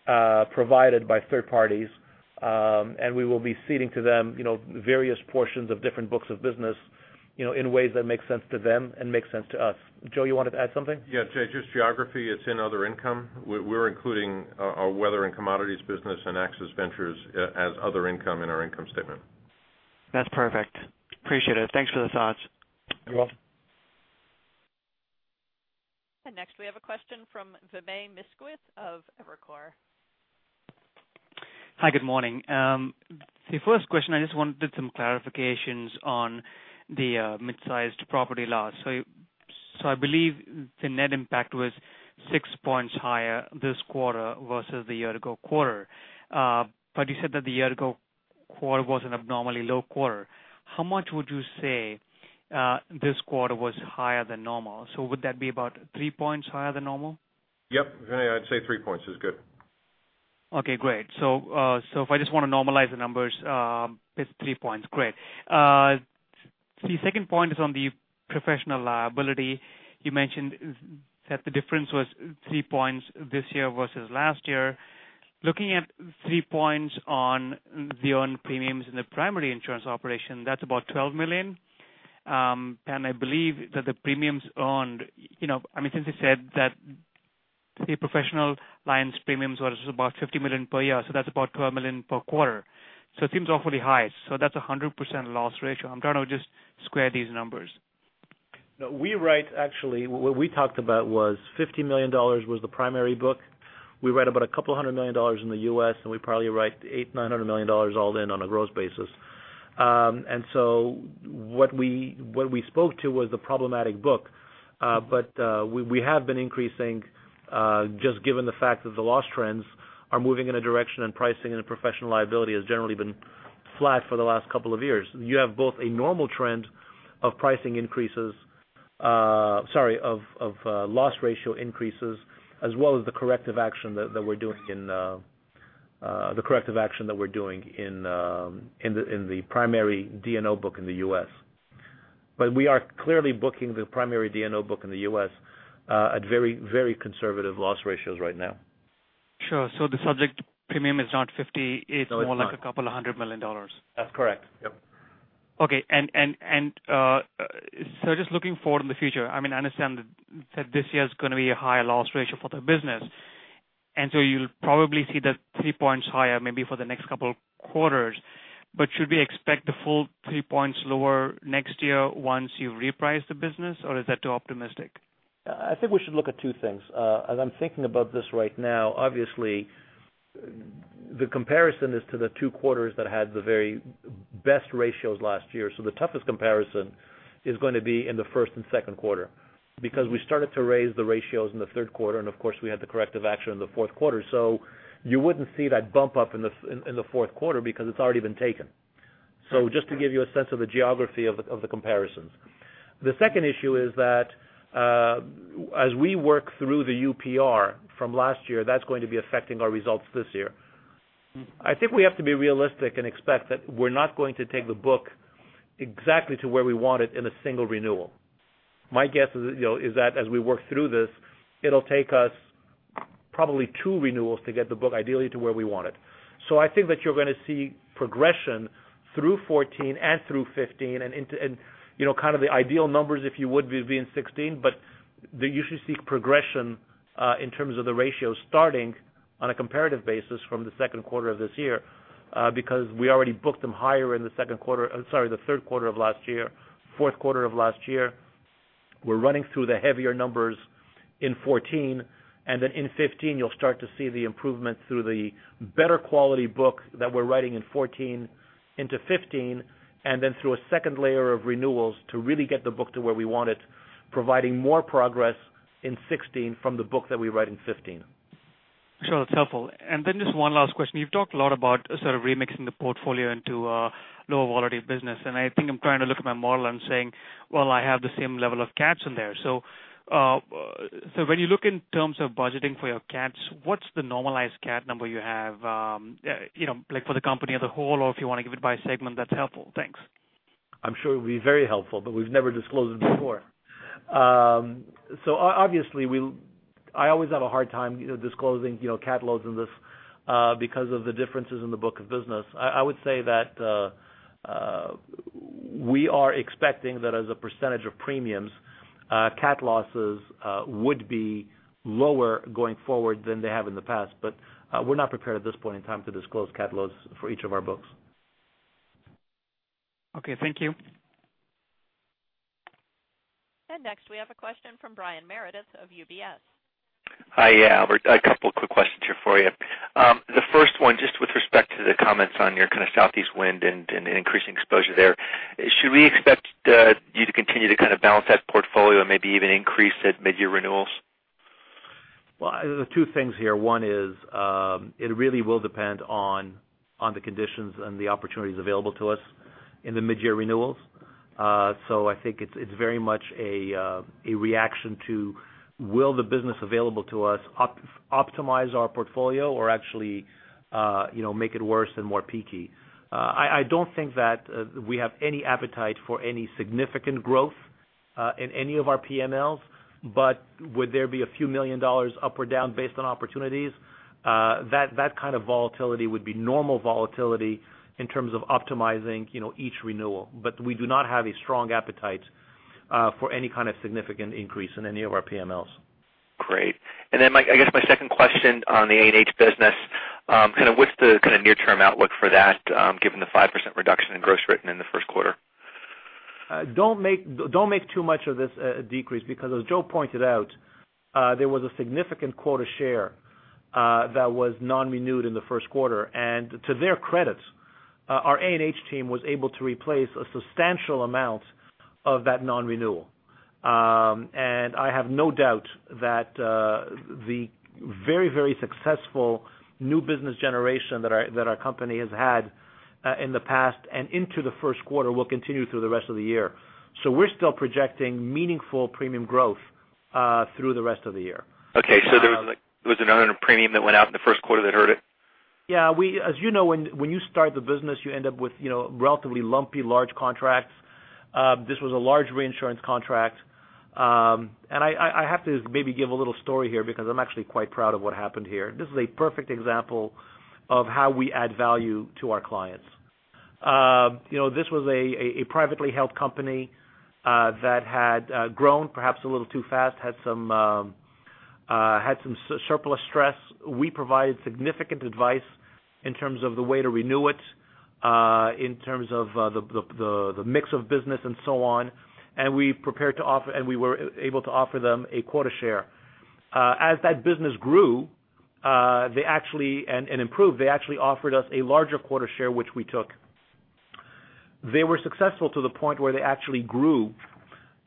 provided by third parties, and we will be ceding to them various portions of different books of business, in ways that make sense to them and make sense to us. Joe, you wanted to add something? Yeah. Jay, just geography, it's in other income. We're including our weather and commodities business and AXIS Ventures as other income in our income statement. That's perfect. Appreciate it. Thanks for the thoughts. You're welcome. Next we have a question from Vinay Misquith of Evercore. Hi, good morning. The first question, I just wanted some clarifications on the mid-sized property loss. I believe the net impact was six points higher this quarter versus the year-ago quarter. You said that the year-ago quarter was an abnormally low quarter. How much would you say this quarter was higher than normal? Would that be about three points higher than normal? Yep. Vinay, I'd say three points is good. Okay, great. If I just want to normalize the numbers, it's three points. Great. The second point is on the professional liability. You mentioned that the difference was three points this year versus last year. Looking at three points on the earned premiums in the primary insurance operation, that's about $12 million. I believe that the premiums earned, since you said that the professional lines premiums was about $50 million per year, that's about $12 million per quarter. It seems awfully high. That's 100% loss ratio. I'm trying to just square these numbers. No, what we talked about was $50 million was the primary book. We write about a couple of hundred million dollars in the U.S., we probably write $800 million-$900 million all in on a gross basis. What we spoke to was the problematic book. We have been increasing, just given the fact that the loss trends are moving in a direction and pricing in a professional liability has generally been flat for the last couple of years. You have both a normal trend of loss ratio increases, as well as the corrective action that we're doing in the primary D&O book in the U.S. We are clearly booking the primary D&O book in the U.S. at very conservative loss ratios right now. Sure. The subject premium is not 50- No, it's not it's more like a couple of $100 million. That's correct. Yep. Okay. Just looking forward in the future, I understand that this year is going to be a higher loss ratio for the business. You'll probably see that three points higher maybe for the next couple of quarters. Should we expect the full three points lower next year once you reprice the business, or is that too optimistic? I think we should look at two things. As I'm thinking about this right now, obviously, the comparison is to the two quarters that had the very best ratios last year. The toughest comparison is going to be in the first and second quarter because we started to raise the ratios in the third quarter, and of course, we had the corrective action in the fourth quarter. You wouldn't see that bump up in the fourth quarter because it's already been taken. Just to give you a sense of the geography of the comparisons. The second issue is that, as we work through the UPR from last year, that's going to be affecting our results this year. I think we have to be realistic and expect that we're not going to take the book exactly to where we want it in a single renewal. My guess is that as we work through this, it'll take us probably two renewals to get the book ideally to where we want it. I think that you're going to see progression through 2014 and through 2015 and kind of the ideal numbers, if you would be in 2016, but you should see progression in terms of the ratio starting on a comparative basis from the second quarter of this year because we already booked them higher in the third quarter of last year, fourth quarter of last year. We're running through the heavier numbers in 2014. In 2015, you'll start to see the improvement through the better quality book that we're writing in 2014 into 2015. Through a second layer of renewals to really get the book to where we want it, providing more progress in 2016 from the book that we write in 2015. Sure, that's helpful. Just one last question. You've talked a lot about sort of remixing the portfolio into lower quality business. I think I'm trying to look at my model and saying, I have the same level of CATs in there. When you look in terms of budgeting for your CATs, what's the normalized CAT number you have for the company as a whole, or if you want to give it by segment, that's helpful. Thanks. I'm sure it would be very helpful. We've never disclosed it before. Obviously I always have a hard time disclosing CAT loads in this because of the differences in the book of business. I would say that we are expecting that as a percentage of premiums, CAT losses would be lower going forward than they have in the past. We're not prepared at this point in time to disclose CAT loads for each of our books. Okay, thank you. Next we have a question from Brian Meredith of UBS. Hi. Albert, a couple of quick questions here for you. The first one, just with respect to the comments on your kind of southeast wind and increasing exposure there, should we expect you to continue to kind of balance that portfolio and maybe even increase at mid-year renewals? There are two things here. One is, it really will depend on the conditions and the opportunities available to us in the mid-year renewals. I think it's very much a reaction to will the business available to us optimize our portfolio or actually make it worse and more peaky. I don't think that we have any appetite for any significant growth in any of our PMLs, but would there be a few million dollars up or down based on opportunities? That kind of volatility would be normal volatility in terms of optimizing each renewal. We do not have a strong appetite for any kind of significant increase in any of our PMLs. Great. I guess my second question on the A&H business, what's the kind of near-term outlook for that given the 5% reduction in gross written in the first quarter? Don't make too much of this decrease, because as Joe pointed out, there was a significant quota share that was non-renewed in the first quarter. To their credit, our A&H team was able to replace a substantial amount of that non-renewal. I have no doubt that the very successful new business generation that our company has had in the past and into the first quarter will continue through the rest of the year. We're still projecting meaningful premium growth through the rest of the year. Okay. There was another premium that went out in the first quarter that hurt it? Yeah. As you know, when you start the business, you end up with relatively lumpy large contracts. This was a large reinsurance contract. I have to maybe give a little story here because I'm actually quite proud of what happened here. This is a perfect example of how we add value to our clients. This was a privately held company that had grown perhaps a little too fast, had some surplus stress. We provided significant advice in terms of the way to renew it, in terms of the mix of business and so on. We were able to offer them a quota share. As that business grew and improved, they actually offered us a larger quota share, which we took. They were successful to the point where they actually grew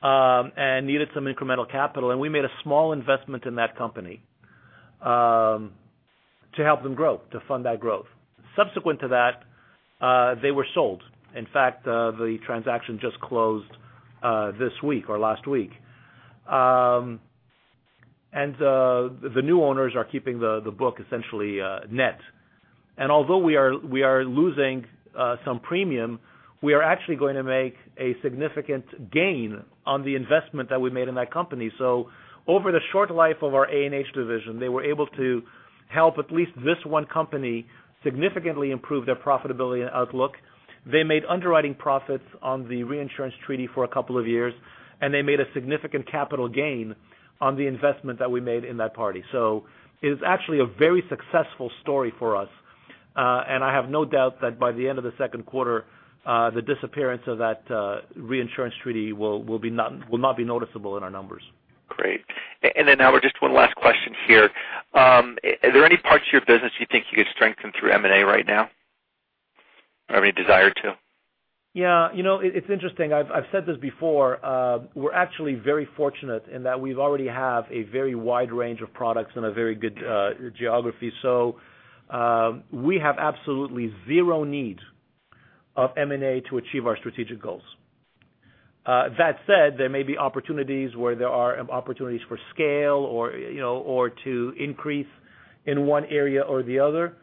and needed some incremental capital. We made a small investment in that company to help them grow, to fund that growth. Subsequent to that, they were sold. In fact, the transaction just closed this week or last week. The new owners are keeping the book essentially net. Although we are losing some premium, we are actually going to make a significant gain on the investment that we made in that company. Over the short life of our A&H division, they were able to help at least this one company significantly improve their profitability and outlook. They made underwriting profits on the reinsurance treaty for a couple of years, and they made a significant capital gain on the investment that we made in that party. It is actually a very successful story for us. I have no doubt that by the end of the second quarter, the disappearance of that reinsurance treaty will not be noticeable in our numbers. Great. Then, Al, just one last question here. Are there any parts of your business you think you could strengthen through M&A right now? Any desire to? Yeah. It's interesting. I've said this before. We're actually very fortunate in that we already have a very wide range of products and a very good geography. We have absolutely zero need of M&A to achieve our strategic goals. That said, there may be opportunities where there are opportunities for scale or to increase in one area or the other.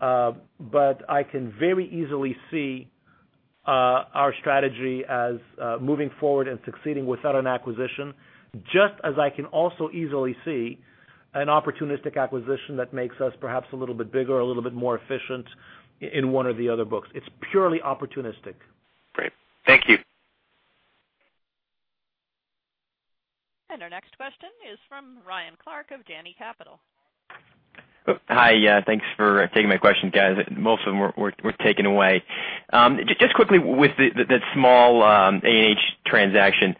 I can very easily see our strategy as moving forward and succeeding without an acquisition, just as I can also easily see an opportunistic acquisition that makes us perhaps a little bit bigger, a little bit more efficient in one or the other books. It's purely opportunistic. Great. Thank you. Our next question is from Ryan Clark of Janney Capital. Hi. Thanks for taking my questions, guys. Most of them were taken away. Just quickly with the small A&H transaction,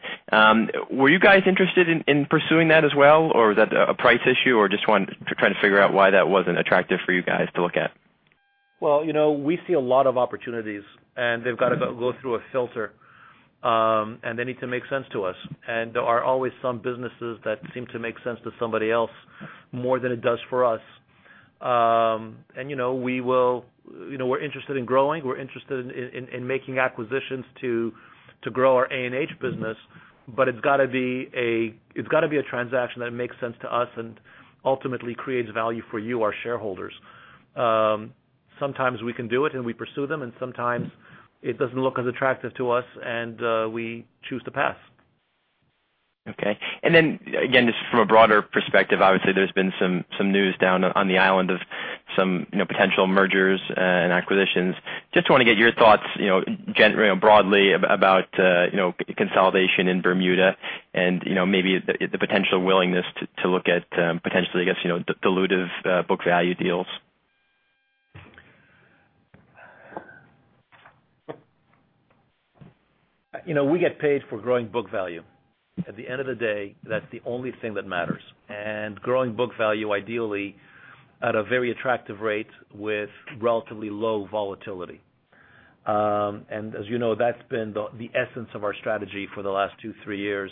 were you guys interested in pursuing that as well, or was that a price issue, or just want to try to figure out why that wasn't attractive for you guys to look at? Well, we see a lot of opportunities, and they've got to go through a filter, and they need to make sense to us. There are always some businesses that seem to make sense to somebody else more than it does for us. We're interested in growing, we're interested in making acquisitions to grow our A&H business, but it's got to be a transaction that makes sense to us and ultimately creates value for you, our shareholders. Sometimes we can do it, and we pursue them, and sometimes it doesn't look as attractive to us, and we choose to pass. Okay. Again, just from a broader perspective, obviously there's been some news down on the island of some potential mergers and acquisitions. Just want to get your thoughts broadly about consolidation in Bermuda and maybe the potential willingness to look at potentially, I guess, dilutive book value deals. We get paid for growing book value. At the end of the day, that's the only thing that matters. Growing book value ideally at a very attractive rate with relatively low volatility. As you know, that's been the essence of our strategy for the last two, three years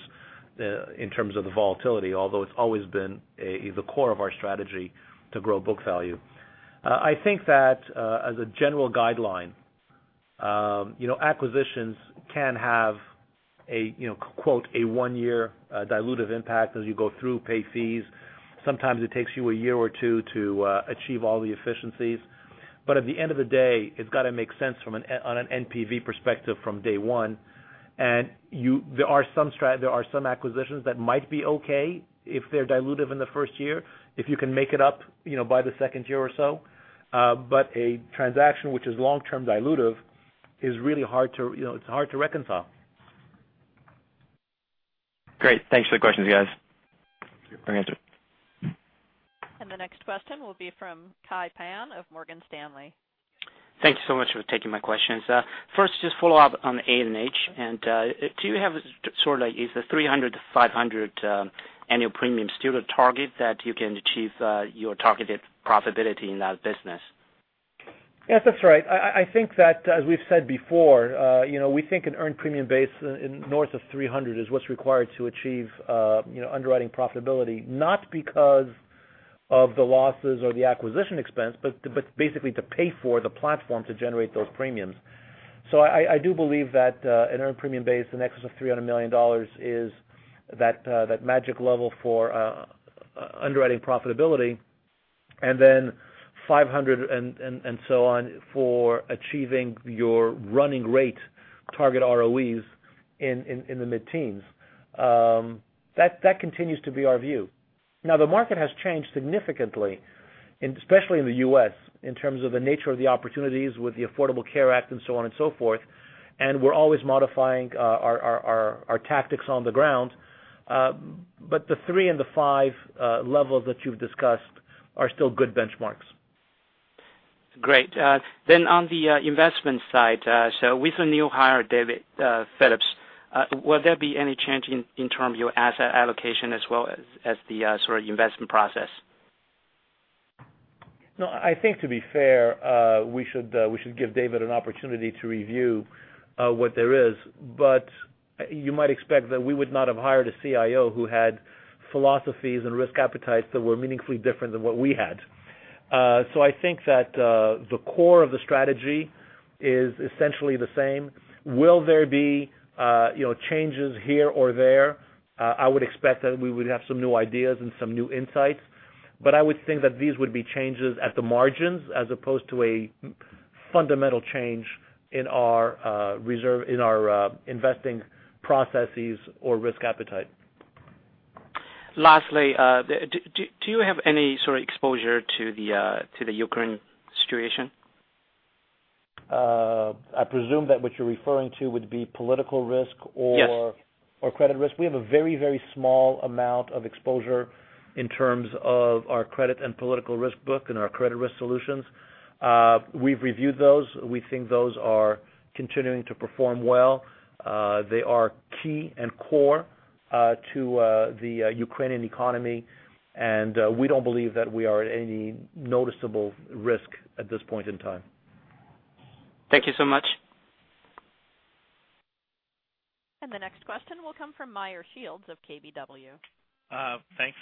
in terms of the volatility, although it's always been the core of our strategy to grow book value. I think that as a general guideline, acquisitions can have a quote, a one-year dilutive impact as you go through pay fees. Sometimes it takes you a year or two to achieve all the efficiencies. At the end of the day, it's got to make sense on an NPV perspective from day one. There are some acquisitions that might be okay if they're dilutive in the first year, if you can make it up by the second year or so. A transaction which is long-term dilutive is really hard to reconcile. Great. Thanks for the questions, guys. Great answer. The next question will be from Kai Pan of Morgan Stanley. Thanks so much for taking my questions. First, just follow up on A&H. Do you have sort of like, is the $300-$500 annual premium still a target that you can achieve your targeted profitability in that business? Yes, that's right. I think that, as we've said before, we think an earned premium base north of $300 is what's required to achieve underwriting profitability, not because of the losses or the acquisition expense, but basically to pay for the platform to generate those premiums. I do believe that an earned premium base in excess of $300 million is that magic level for underwriting profitability, and then $500 and so on for achieving your running rate target ROEs in the mid-teens. That continues to be our view. The market has changed significantly, especially in the U.S., in terms of the nature of the opportunities with the Affordable Care Act and so on and so forth. We're always modifying our tactics on the ground. The 3 and the 5 levels that you've discussed are still good benchmarks. Great. On the investment side, with the new hire, David Phillips, will there be any change in terms of your asset allocation as well as the sort of investment process? I think to be fair, we should give David an opportunity to review what there is. You might expect that we would not have hired a CIO who had philosophies and risk appetites that were meaningfully different than what we had. I think that the core of the strategy is essentially the same. Will there be changes here or there? I would expect that we would have some new ideas and some new insights. I would think that these would be changes at the margins as opposed to a fundamental change in our investing processes or risk appetite. Lastly, do you have any sort of exposure to the Ukraine situation? I presume that what you're referring to would be political risk. Yes or credit risk. We have a very small amount of exposure in terms of our credit and political risk book and our credit risk solutions. We've reviewed those. We think those are continuing to perform well. They are key and core to the Ukrainian economy, and we don't believe that we are at any noticeable risk at this point in time. Thank you so much. The next question will come from Meyer Shields of KBW. Thanks.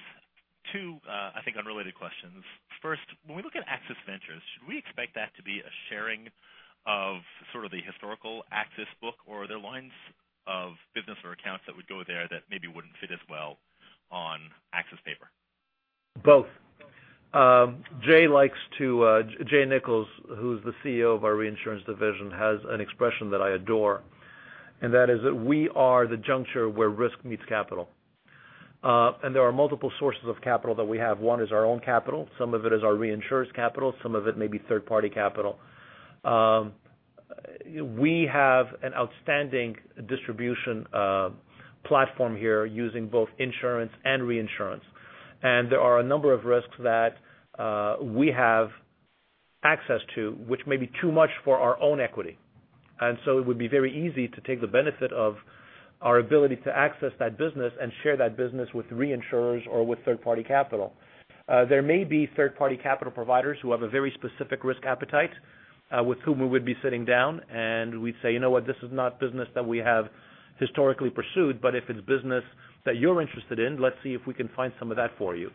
Two, I think, unrelated questions. First, when we look at AXIS Ventures, should we expect that to be a sharing of sort of the historical AXIS book? Or are there lines of business or accounts that would go there that maybe wouldn't fit as well on AXIS paper? Both. Jay Nichols, who's the CEO of our reinsurance division, has an expression that I adore, and that is that we are the juncture where risk meets capital. There are multiple sources of capital that we have. One is our own capital, some of it is our reinsurers capital, some of it may be third-party capital. We have an outstanding distribution platform here using both insurance and reinsurance. There are a number of risks that we have access to, which may be too much for our own equity. So it would be very easy to take the benefit of our ability to access that business and share that business with reinsurers or with third-party capital. There may be third-party capital providers who have a very specific risk appetite with whom we would be sitting down, and we'd say, "You know what? This is not business that we have historically pursued, but if it's business that you're interested in, let's see if we can find some of that for you.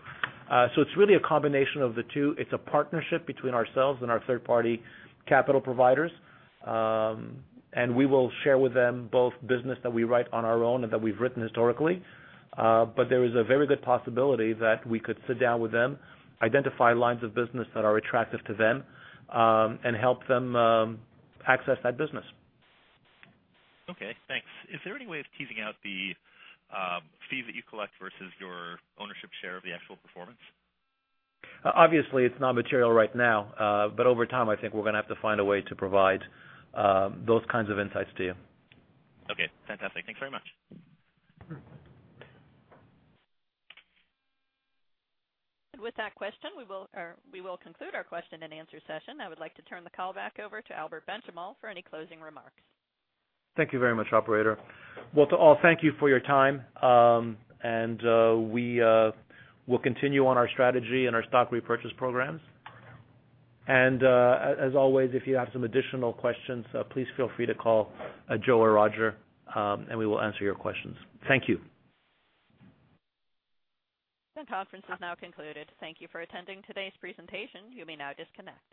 It's really a combination of the two. It's a partnership between ourselves and our third-party capital providers, and we will share with them both business that we write on our own and that we've written historically. There is a very good possibility that we could sit down with them, identify lines of business that are attractive to them, and help them access that business. Okay, thanks. Is there any way of teasing out the fees that you collect versus your ownership share of the actual performance? Obviously, it's not material right now. Over time, I think we're going to have to find a way to provide those kinds of insights to you. Okay, fantastic. Thanks very much. With that question, we will conclude our question and answer session. I would like to turn the call back over to Albert Benchimol for any closing remarks. Thank you very much, operator. To all, thank you for your time. We will continue on our strategy and our stock repurchase programs. As always, if you have some additional questions, please feel free to call Joe or Roger, and we will answer your questions. Thank you. This conference is now concluded. Thank you for attending today's presentation. You may now disconnect.